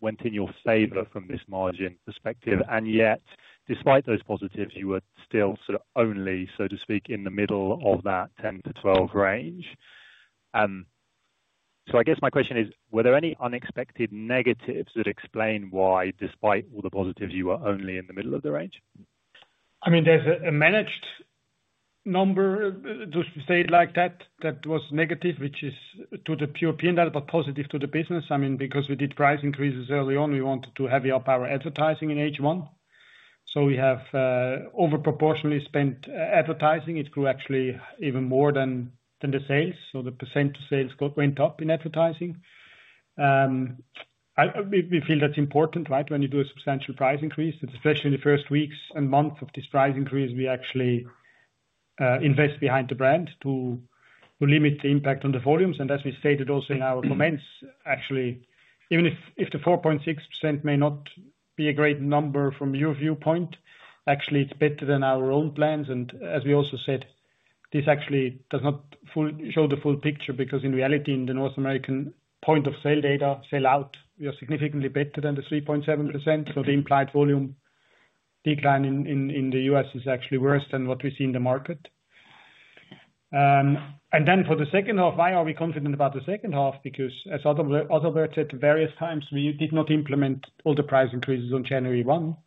Speaker 11: went in your favor from this margin perspective. Yet, despite those positives, you were still sort of only, so to speak, in the middle of that 10-12 range. I guess my question is, were there any unexpected negatives that explain why, despite all the positives, you were only in the middle of the range?
Speaker 2: I mean, there is a managed number, to say it like that, that was negative, which is to the pure P&L, but positive to the business. I mean, because we did price increases early on, we wanted to heavy up our advertising in H1. We have overproportionately spent advertising. It grew actually even more than the sales. The percent of sales went up in advertising. We feel that is important, right, when you do a substantial price increase. Especially in the first weeks and months of this price increase, we actually invest behind the brand to limit the impact on the volumes. As we stated also in our comments, actually, even if the 4.6% may not be a great number from your viewpoint, actually, it is better than our own plans. As we also said, this actually does not show the full picture because, in reality, in the North American point of sale data, sale out, we are significantly better than the 3.7%. The implied volume decline in the U.S. is actually worse than what we see in the market. For the second half, why are we confident about the second half? As Adalbert said various times, we did not implement all the price increases on January 1.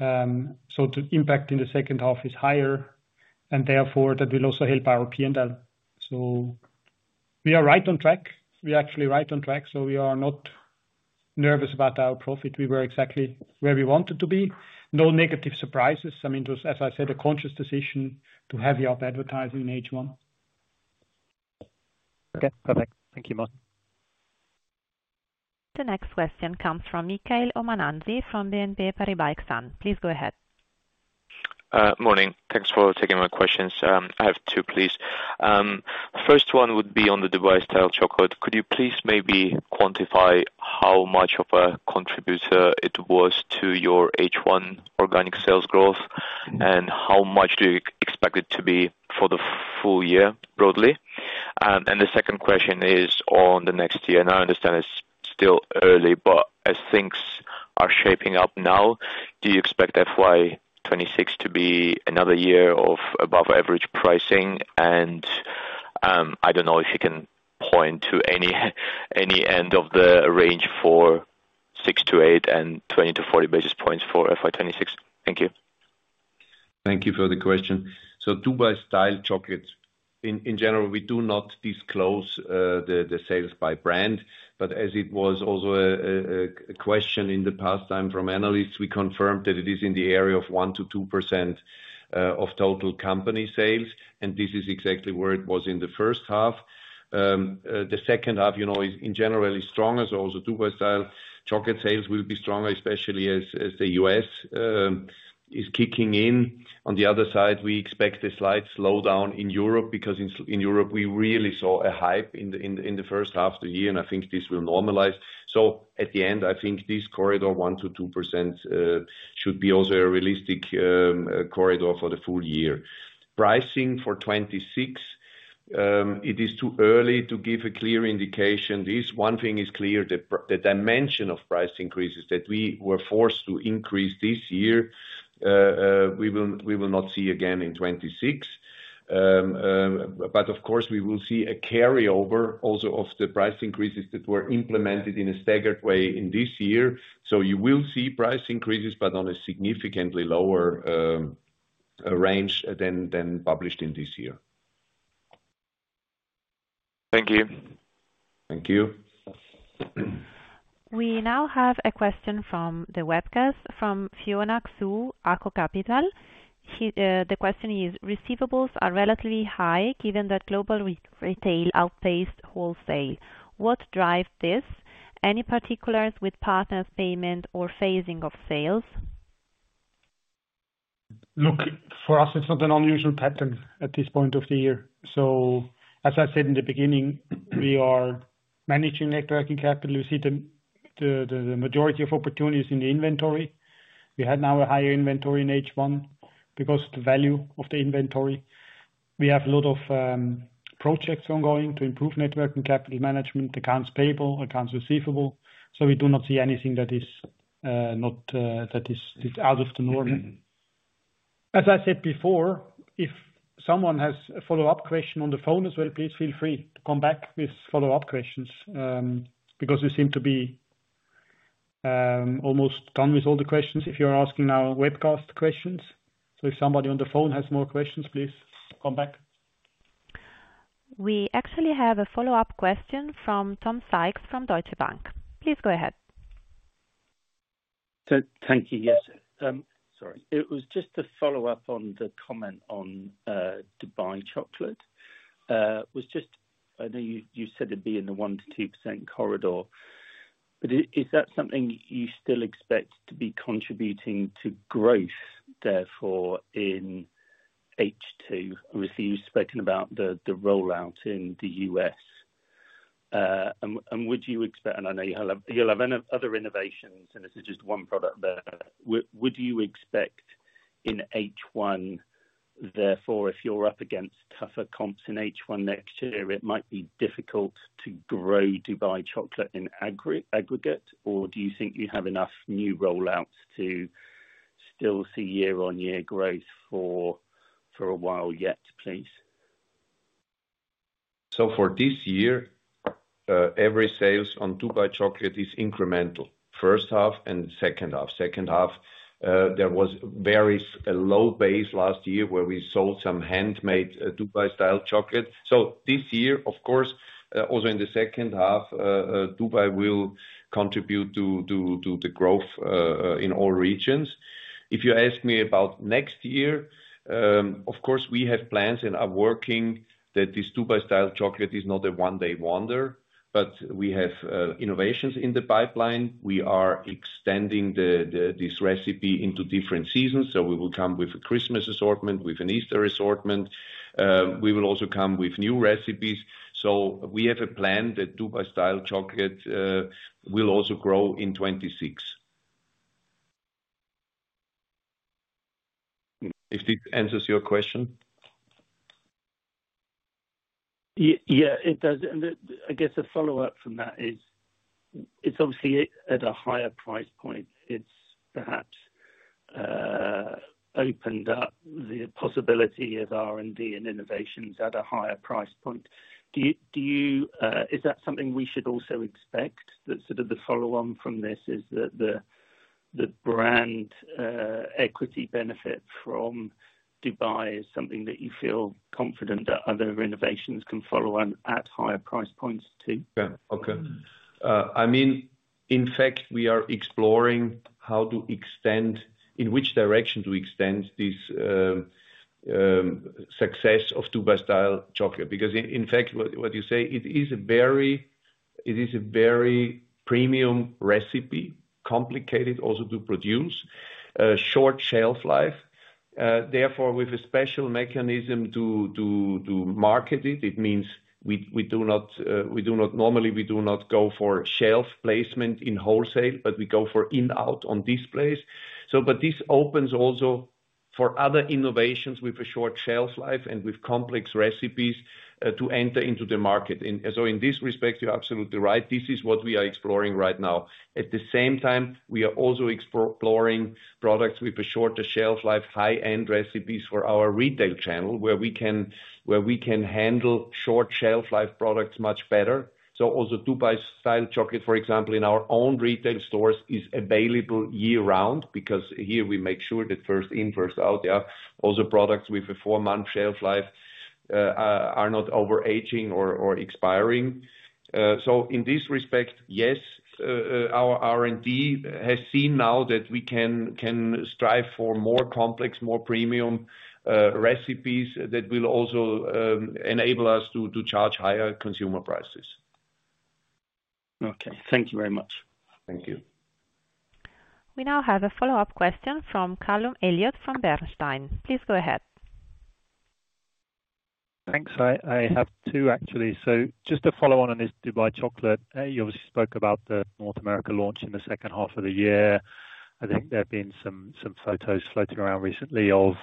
Speaker 2: The impact in the second half is higher, and therefore, that will also help our P&L. We are right on track. We are actually right on track. We are not nervous about our profit. We were exactly where we wanted to be. No negative surprises. As I said, a conscious decision to heavy up advertising in H1.
Speaker 11: Okay. Perfect. Thank you, Martin.
Speaker 1: The next question comes from Mikael Omananzi from BNP Paribas. Please go ahead.
Speaker 12: Morning. Thanks for taking my questions. I have two, please. The first one would be on the Dubai-style chocolate. Could you please maybe quantify how much of a contributor it was to your H1 organic sales growth, and how much do you expect it to be for the full year, broadly? The second question is on the next year. I understand it's still early, but as things are shaping up now, do you expect FY2026 to be another year of above-average pricing? I don't know if you can point to any end of the range for 6-8 and 20-40 basis points for FY2026. Thank you.
Speaker 3: Thank you for the question. Dubai-style chocolate, in general, we do not disclose the sales by brand. As it was also a question in the past time from analysts, we confirmed that it is in the area of 1-2% of total company sales. This is exactly where it was in the first half. The second half, in general, is stronger, so also Dubai-style chocolate sales will be stronger, especially as the U.S. is kicking in. On the other side, we expect a slight slowdown in Europe because in Europe, we really saw a hype in the first half of the year, and I think this will normalize. At the end, I think this corridor, 1-2%, should also be a realistic corridor for the full year. Pricing for 2026, it is too early to give a clear indication. One thing is clear, the dimension of price increases that we were forced to increase this year, we will not see again in 2026. Of course, we will see a carryover also of the price increases that were implemented in a staggered way in this year. You will see price increases, but on a significantly lower range than published in this year.
Speaker 12: Thank you.
Speaker 3: Thank you.
Speaker 1: We now have a question from the webcast from Fiona Xu, Ako Capital. The question is, "Receivables are relatively high given that Global Retail outpaced wholesale. What drives this? Any particulars with partners' payment or phasing of sales?"
Speaker 2: Look, for us, it's not an unusual pattern at this point of the year. As I said in the beginning, we are managing networking capital. We see the majority of opportunities in the inventory. We had now a higher inventory in H1 because of the value of the inventory. We have a lot of projects ongoing to improve networking capital management, accounts payable, accounts receivable. We do not see anything that is out of the norm. As I said before, if someone has a follow-up question on the phone as well, please feel free to come back with follow-up questions. We seem to be almost done with all the questions if you're asking now webcast questions. If somebody on the phone has more questions, please come back.
Speaker 1: We actually have a follow-up question from Tom Sykes from Deutsche Bank. Please go ahead.
Speaker 8: Thank you. Yes. Sorry. It was just a follow-up on the comment on Dubai chocolate. I know you said it'd be in the 1-2% corridor. Is that something you still expect to be contributing to growth therefore in H2? Obviously, you've spoken about the rollout in the U.S. Would you expect—and I know you'll have other innovations, and this is just one product there—would you expect in H1, therefore, if you're up against tougher comps in H1 next year, it might be difficult to grow Dubai chocolate in aggregate? Or do you think you have enough new rollouts to still see year-on-year growth for a while yet, please?
Speaker 3: For this year, every sales on Dubai chocolate is incremental. First half and second half. Second half, there was very low base last year where we sold some handmade Dubai-style chocolate. This year, of course, also in the second half, Dubai will contribute to the growth in all regions. If you ask me about next year, of course, we have plans and are working that this Dubai-style chocolate is not a one-day wonder, but we have innovations in the pipeline. We are extending this recipe into different seasons. We will come with a Christmas assortment, with an Easter assortment. We will also come with new recipes. We have a plan that Dubai-style chocolate will also grow in 2026. If this answers your question.
Speaker 8: Yeah, it does. I guess a follow-up from that is, it's obviously at a higher price point. It's perhaps opened up the possibility of R&D and innovations at a higher price point. Is that something we should also expect, that sort of the follow-on from this is that the brand equity benefit from Dubai is something that you feel confident that other innovations can follow at higher price points too?
Speaker 3: Yeah. Okay. I mean, in fact, we are exploring how to extend, in which direction to extend this success of Dubai-style chocolate. Because, in fact, what you say, it is a very premium recipe, complicated also to produce. Short shelf life. Therefore, with a special mechanism to market it, it means we do not—normally, we do not go for shelf placement in wholesale, but we go for in-out on displays. This opens also for other innovations with a short shelf life and with complex recipes to enter into the market. In this respect, you're absolutely right. This is what we are exploring right now. At the same time, we are also exploring products with a shorter shelf life, high-end recipes for our retail channel, where we can handle short shelf life products much better. Also, Dubai-style chocolate, for example, in our own retail stores is available year-round because here we make sure that first in, first out, yeah, also products with a four-month shelf life are not overaging or expiring. In this respect, yes, our R&D has seen now that we can strive for more complex, more premium recipes that will also enable us to charge higher consumer prices.
Speaker 8: Okay. Thank you very much.
Speaker 3: Thank you.
Speaker 1: We now have a follow-up question from Karloem Elliott from Bernstein. Please go ahead.
Speaker 11: Thanks. I have two, actually. So just a follow-on on this Dubai chocolate. You obviously spoke about the North America launch in the second half of the year. I think there have been some photos floating around recently of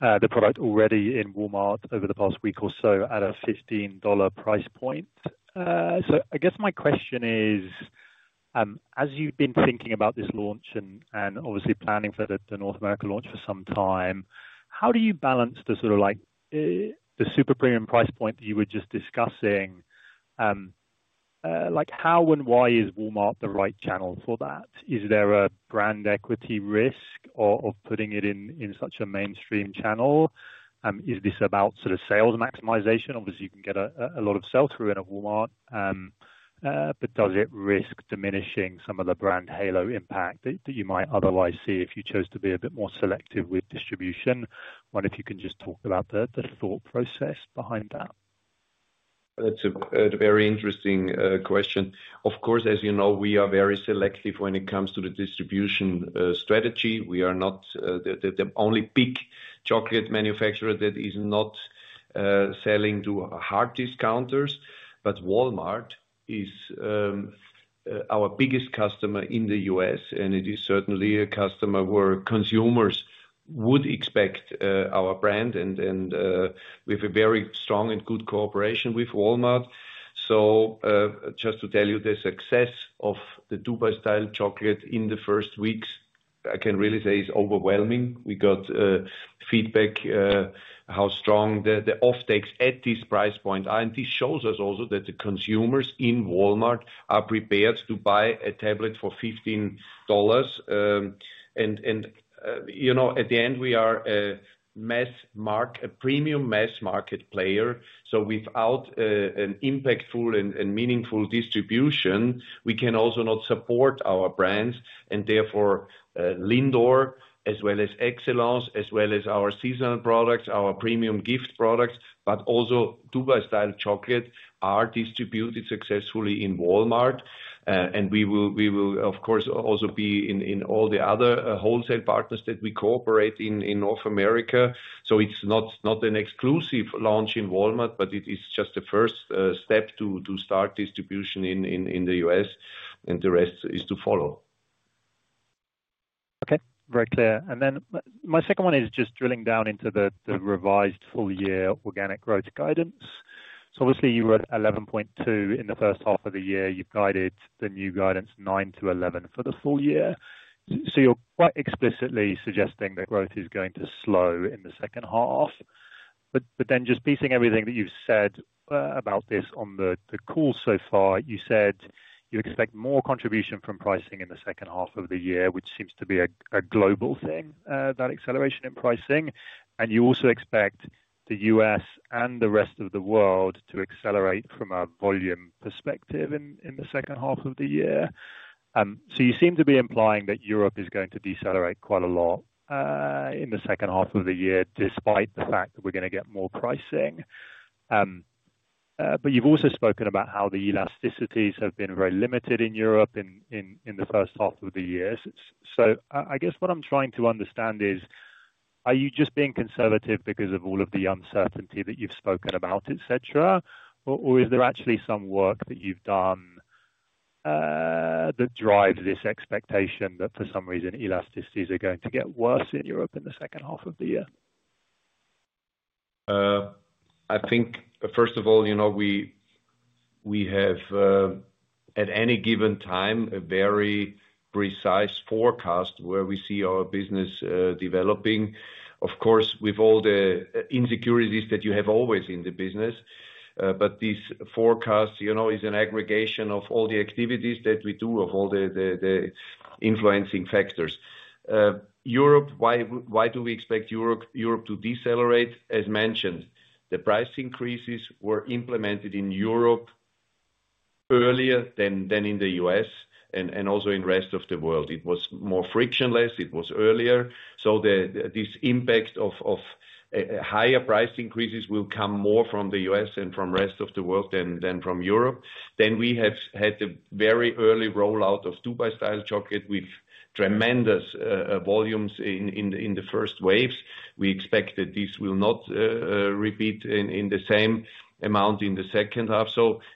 Speaker 11: the product already in Walmart over the past week or so at a $15 price point. I guess my question is, as you've been thinking about this launch and obviously planning for the North America launch for some time, how do you balance the sort of super premium price point that you were just discussing? How and why is Walmart the right channel for that? Is there a brand equity risk of putting it in such a mainstream channel? Is this about sort of sales maximization? Obviously, you can get a lot of sales through in a Walmart, but does it risk diminishing some of the brand halo impact that you might otherwise see if you chose to be a bit more selective with distribution? I wonder if you can just talk about the thought process behind that.
Speaker 3: That's a very interesting question. Of course, as you know, we are very selective when it comes to the distribution strategy. We are not the only big chocolate manufacturer that is not selling to hard discounters, but Walmart is our biggest customer in the U.S., and it is certainly a customer where consumers would expect our brand and with a very strong and good cooperation with Walmart. Just to tell you, the success of the Dubai-style chocolate in the first weeks, I can really say is overwhelming. We got feedback how strong the offtakes at this price point are, and this shows us also that the consumers in Walmart are prepared to buy a tablet for $15. At the end, we are a premium mass market player. Without an impactful and meaningful distribution, we can also not support our brands. Therefore, Lindor, as well as Excellence, as well as our seasonal products, our premium gift products, but also Dubai-style chocolate are distributed successfully in Walmart. We will, of course, also be in all the other wholesale partners that we cooperate in North America. It is not an exclusive launch in Walmart, but it is just the first step to start distribution in the U.S., and the rest is to follow.
Speaker 11: Okay. Very clear. My second one is just drilling down into the revised full-year organic growth guidance. Obviously, you were at 11.2% in the first half of the year. You've guided the new guidance 9%-11% for the full year. You are quite explicitly suggesting that growth is going to slow in the second half. Then just piecing everything that you've said about this on the call so far, you said you expect more contribution from pricing in the second half of the year, which seems to be a global thing, that acceleration in pricing. You also expect the U.S. and the rest of the world to accelerate from a volume perspective in the second half of the year. You seem to be implying that Europe is going to decelerate quite a lot in the second half of the year, despite the fact that we're going to get more pricing. You have also spoken about how the elasticities have been very limited in Europe in the first half of the year. I guess what I'm trying to understand is, are you just being conservative because of all of the uncertainty that you've spoken about, etc.? Or is there actually some work that you've done that drives this expectation that for some reason, elasticities are going to get worse in Europe in the second half of the year?
Speaker 3: I think, first of all, we have at any given time a very precise forecast where we see our business developing. Of course, with all the insecurities that you have always in the business. This forecast is an aggregation of all the activities that we do, of all the influencing factors. Europe, why do we expect Europe to decelerate? As mentioned, the price increases were implemented in Europe earlier than in the U.S. and also in the rest of the world. It was more frictionless. It was earlier. This impact of higher price increases will come more from the U.S. and from the rest of the world than from Europe. We have had the very early rollout of Dubai-style chocolate with tremendous volumes in the first waves. We expect that this will not repeat in the same amount in the second half.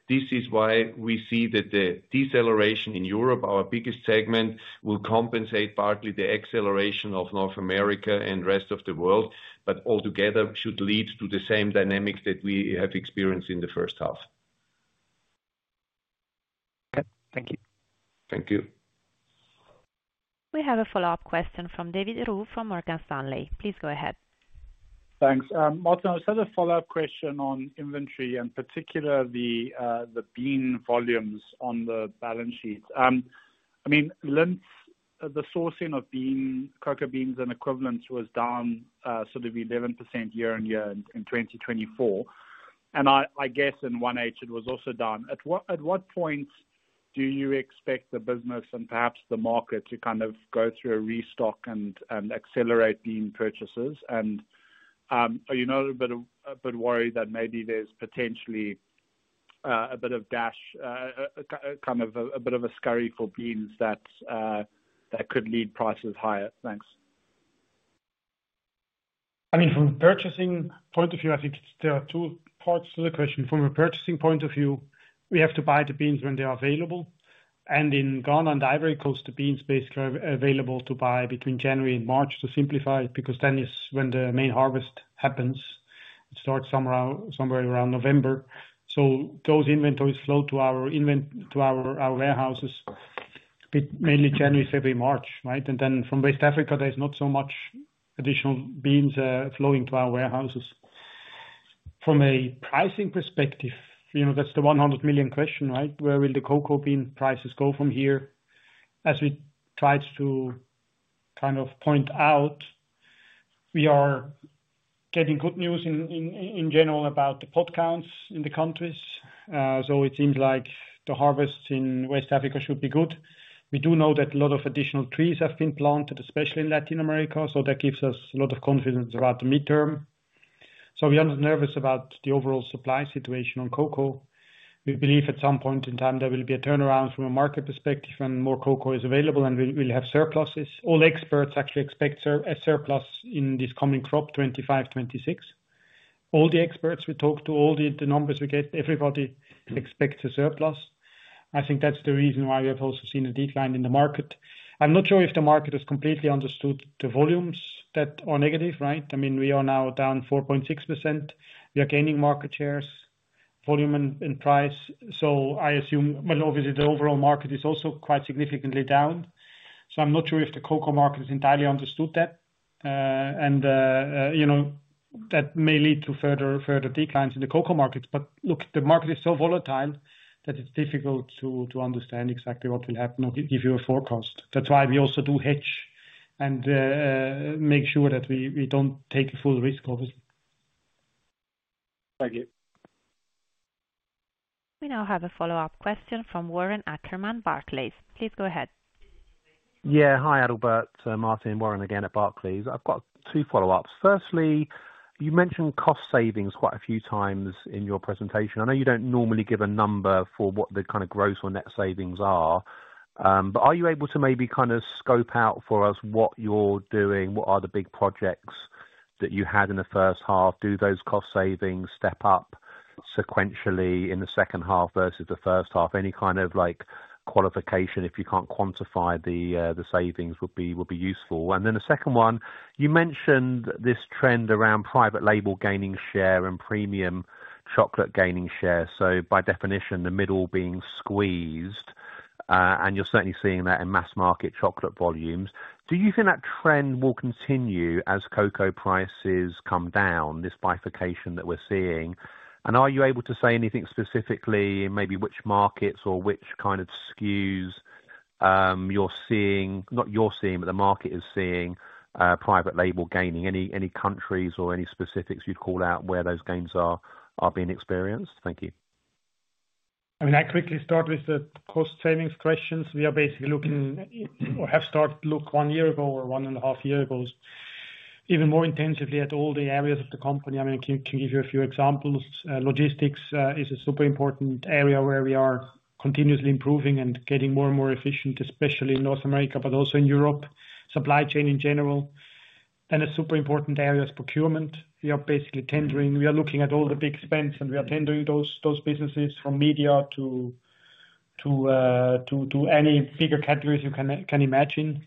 Speaker 3: This is why we see that the deceleration in Europe, our biggest segment, will compensate partly the acceleration of North America and the rest of the world, but altogether should lead to the same dynamics that we have experienced in the first half.
Speaker 11: Okay. Thank you.
Speaker 3: Thank you.
Speaker 1: We have a follow-up question from David Roux from Morgan Stanley. Please go ahead.
Speaker 5: Thanks. Martin, I just had a follow-up question on inventory and particularly the bean volumes on the balance sheet. I mean, Lindt's, the sourcing of bean, cocoa beans, and equivalents was down sort of 11% year-on-year in 2024. I guess in 1H, it was also down. At what point do you expect the business and perhaps the market to kind of go through a restock and accelerate bean purchases? Are you not a bit worried that maybe there's potentially a bit of kind of a bit of a scurry for beans that could lead prices higher? Thanks.
Speaker 2: I mean, from a purchasing point of view, I think there are two parts to the question. From a purchasing point of view, we have to buy the beans when they are available. In Ghana, in Côte d’Ivoire, the beans are basically available to buy between January and March, to simplify it, because then is when the main harvest happens. It starts somewhere around November. Those inventories flow to our warehouses mainly January, February, March, right? From West Africa, there is not so much additional beans flowing to our warehouses. From a pricing perspective, that is the 100 million question, right? Where will the cocoa bean prices go from here? As we tried to kind of point out, we are getting good news in general about the pod counts in the countries. It seems like the harvest in West Africa should be good. We do know that a lot of additional trees have been planted, especially in Latin America. That gives us a lot of confidence about the midterm. We are nervous about the overall supply situation on cocoa. We believe at some point in time, there will be a turnaround from a market perspective when more cocoa is available and we will have surpluses. All experts actually expect a surplus in this coming crop, 2025, 2026. All the experts we talk to, all the numbers we get, everybody expects a surplus. I think that is the reason why we have also seen a decline in the market. I am not sure if the market has completely understood the volumes that are negative, right? I mean, we are now down 4.6%. We are gaining market shares, volume, and price. I assume, obviously, the overall market is also quite significantly down. I am not sure if the cocoa market has entirely understood that. That may lead to further declines in the cocoa markets. The market is so volatile that it is difficult to understand exactly what will happen or give you a forecast. That is why we also do hedge and make sure that we do not take a full risk, obviously.
Speaker 5: Thank you.
Speaker 1: We now have a follow-up question from Warren Ackerman, Barclays. Please go ahead.
Speaker 9: Yeah. Hi, Adalbert, Martin, and Warren again at Barclays. I have got two follow-ups. Firstly, you mentioned cost savings quite a few times in your presentation. I know you do not normally give a number for what the kind of gross or net savings are, but are you able to maybe kind of scope out for us what you are doing? What are the big projects that you had in the first half? Do those cost savings step up sequentially in the second half versus the first half? Any kind of qualification, if you cannot quantify the savings, would be useful. The second one, you mentioned this trend around private label gaining share and premium chocolate gaining share. By definition, the middle being squeezed. You are certainly seeing that in mass market chocolate volumes. Do you think that trend will continue as cocoa prices come down, this bifurcation that we are seeing? Are you able to say anything specifically, maybe which markets or which kind of SKUs you're seeing? Not you're seeing, but the market is seeing private label gaining? Any countries or any specifics you'd call out where those gains are being experienced? Thank you.
Speaker 2: I quickly start with the cost savings questions. We are basically looking or have started to look one year ago or one and a half years ago, even more intensively at all the areas of the company. I can give you a few examples. Logistics is a super important area where we are continuously improving and getting more and more efficient, especially in North America, but also in Europe, supply chain in general. A super important area is procurement. We are basically tendering. We are looking at all the big spends, and we are tendering those businesses from media to any bigger categories you can imagine.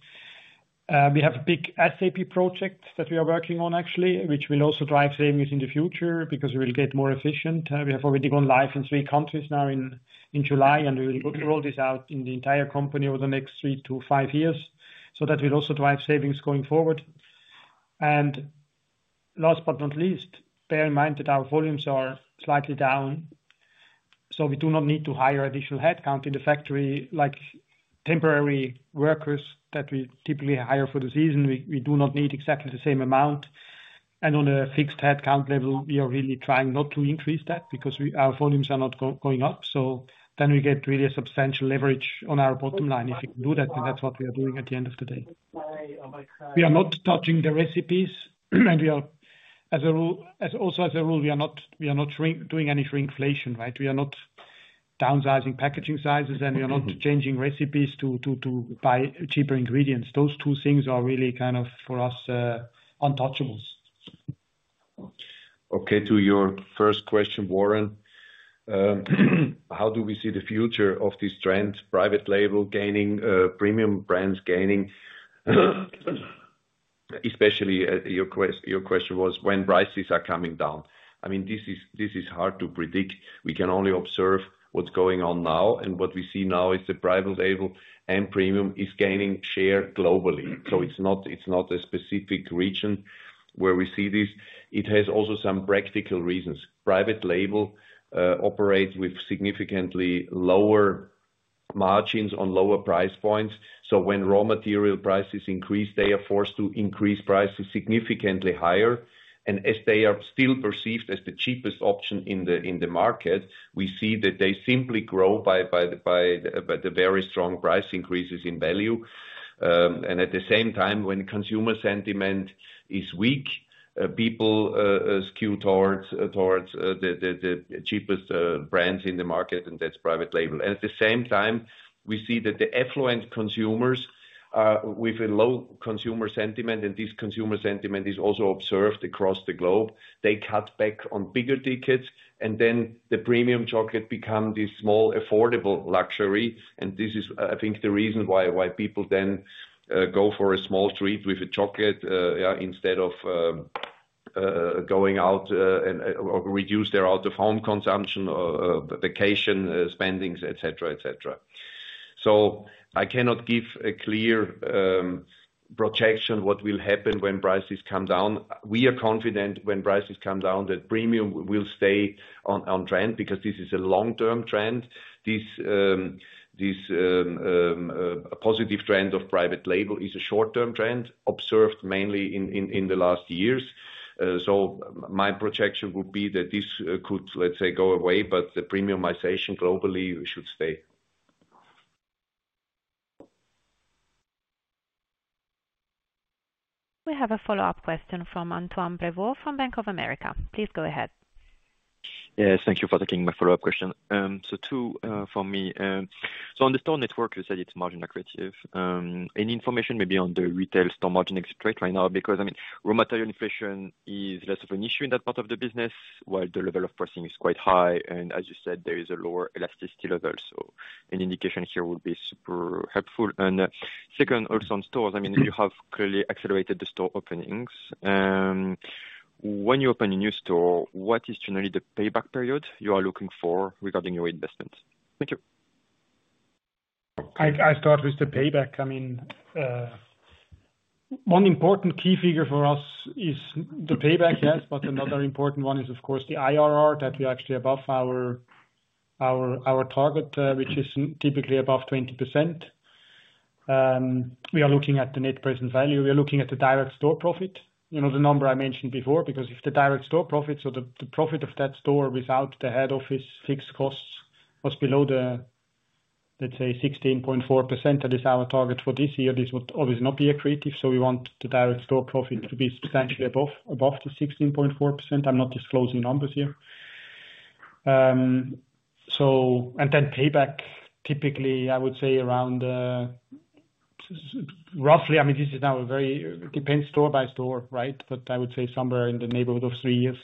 Speaker 2: We have a big SAP project that we are working on, actually, which will also drive savings in the future because we will get more efficient. We have already gone live in three countries now in July, and we will roll this out in the entire company over the next three to five years. That will also drive savings going forward. Last but not least, bear in mind that our volumes are slightly down. We do not need to hire additional headcount in the factory like temporary workers that we typically hire for the season. We do not need exactly the same amount. On a fixed headcount level, we are really trying not to increase that because our volumes are not going up. We get really a substantial leverage on our bottom line. If we can do that, then that's what we are doing at the end of the day. We are not touching the recipes. As a rule, we are not doing any shrinkflation, right? We are not downsizing packaging sizes, and we are not changing recipes to buy cheaper ingredients. Those two things are really kind of, for us, untouchables.
Speaker 3: Okay. To your first question, Warren. How do we see the future of this trend, private label gaining, premium brands gaining? Especially your question was when prices are coming down. This is hard to predict. We can only observe what's going on now. What we see now is the private label and premium is gaining share globally. It is not a specific region where we see this. It has also some practical reasons. Private label operates with significantly lower margins on lower price points. When raw material prices increase, they are forced to increase prices significantly higher. As they are still perceived as the cheapest option in the market, we see that they simply grow by the very strong price increases in value. At the same time, when consumer sentiment is weak, people skew towards the cheapest brands in the market, and that's private label. At the same time, we see that the affluent consumers, with a low consumer sentiment, and this consumer sentiment is also observed across the globe, they cut back on bigger tickets. The premium chocolate becomes this small affordable luxury. This is, I think, the reason why people then go for a small treat with a chocolate instead of going out or reducing their out-of-home consumption or vacation spendings, etc., etc. I cannot give a clear projection of what will happen when prices come down. We are confident when prices come down that premium will stay on trend because this is a long-term trend. This positive trend of private label is a short-term trend observed mainly in the last years. My projection would be that this could, let's say, go away, but the premiumization globally should stay.
Speaker 1: We have a follow-up question from Antoine Prévot from Bank of America. Please go ahead.
Speaker 7: Yes. Thank you for taking my follow-up question. Two for me. On the store network, you said it's margin accretive. Any information maybe on the retail store margin exit rate right now? Because, I mean, raw material inflation is less of an issue in that part of the business, while the level of pricing is quite high. As you said, there is a lower elasticity level. An indication here would be super helpful. Second, also on stores, you have clearly accelerated the store openings. When you open a new store, what is generally the payback period you are looking for regarding your investments? Thank you.
Speaker 2: I start with the payback. One important key figure for us is the payback, yes. Another important one is, of course, the IRR that we are actually above our target, which is typically above 20%. We are looking at the net present value. We are looking at the direct store profit, the number I mentioned before, because if the direct store profit, so the profit of that store without the head office fixed costs, was below the, let's say, 16.4%, that is our target for this year, this would obviously not be accretive. We want the direct store profit to be substantially above the 16.4%. I'm not disclosing numbers here. Payback, typically, I would say around, roughly, I mean, this is now a very it depends store by store, right? I would say somewhere in the neighborhood of three years.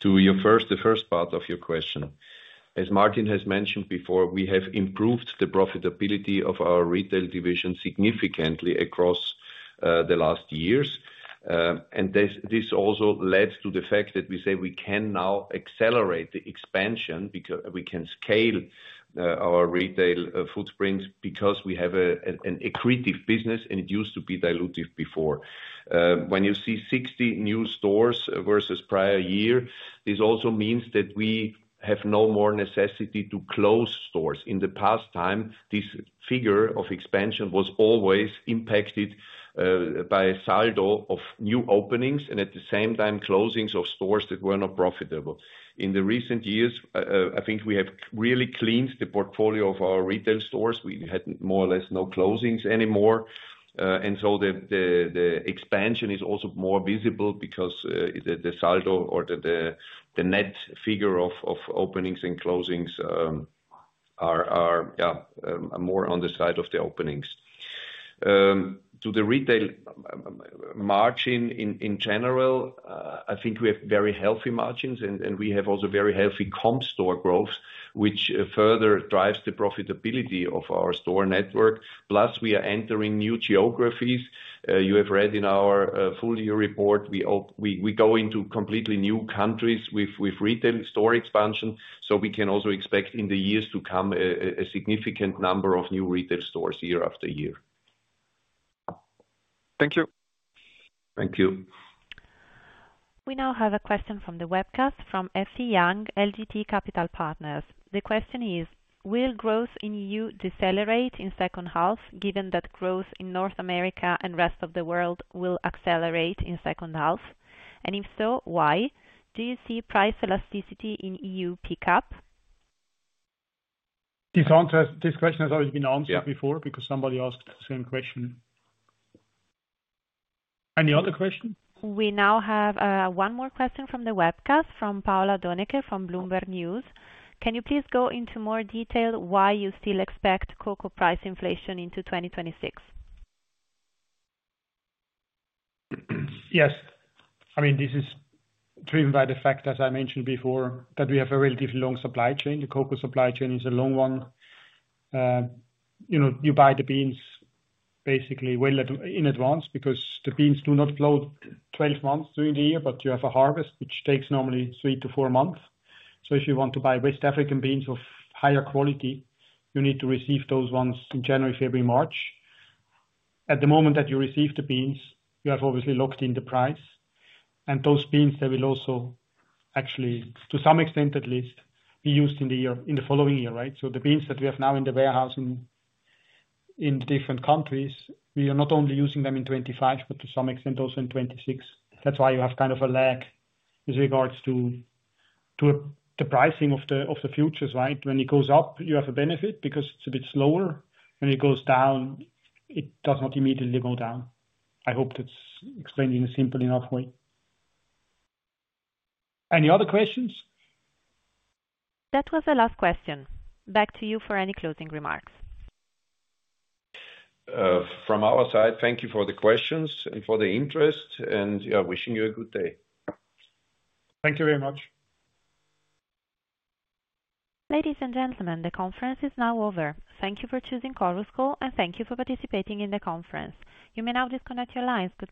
Speaker 3: To the first part of your question, as Martin has mentioned before, we have improved the profitability of our retail division significantly across the last years. This also led to the fact that we say we can now accelerate the expansion because we can scale our retail footprint because we have an accretive business, and it used to be dilutive before. When you see 60 new stores versus the prior year, this also means that we have no more necessity to close stores. In the past time, this figure of expansion was always impacted by a saldo of new openings and at the same time closings of stores that were not profitable. In the recent years, I think we have really cleaned the portfolio of our retail stores. We had more or less no closings anymore, and so the expansion is also more visible because the saldo or the net figure of openings and closings are, yeah, more on the side of the openings. To the retail margin in general, I think we have very healthy margins, and we have also very healthy comp store growth, which further drives the profitability of our store network. Plus, we are entering new geographies. You have read in our full year report, we go into completely new countries with retail store expansion. We can also expect in the years to come a significant number of new retail stores year after year.
Speaker 7: Thank you.
Speaker 3: Thank you.
Speaker 1: We now have a question from the webcast from Effie Yang, LGT Capital Partners. The question is, will growth in EU decelerate in second half, given that growth in North America and the rest of the world will accelerate in second half? And if so, why? Do you see price elasticity in EU pick up?
Speaker 2: This question has already been answered before because somebody asked the same question. Any other question?
Speaker 1: We now have one more question from the webcast from Paula Doenecke from Bloomberg News. Can you please go into more detail why you still expect cocoa price inflation into 2026?
Speaker 2: Yes. I mean, this is driven by the fact, as I mentioned before, that we have a relatively long supply chain. The cocoa supply chain is a long one. You buy the beans basically well in advance because the beans do not float 12 months during the year, but you have a harvest which takes normally three to four months. If you want to buy West African beans of higher quality, you need to receive those ones in January, February, March. At the moment that you receive the beans, you have obviously locked in the price. Those beans, they will also actually, to some extent at least, be used in the following year, right? The beans that we have now in the warehouse in different countries, we are not only using them in 2025, but to some extent also in 2026. That is why you have kind of a lag with regards to the pricing of the futures, right? When it goes up, you have a benefit because it is a bit slower. When it goes down, it does not immediately go down. I hope that is explained in a simple enough way. Any other questions?
Speaker 1: That was the last question. Back to you for any closing remarks.
Speaker 3: From our side, thank you for the questions and for the interest. Yeah, wishing you a good day.
Speaker 2: Thank you very much.
Speaker 1: Ladies and gentlemen, the conference is now over. Thank you for choosing Corusco, and thank you for participating in the conference. You may now disconnect your lines. Good.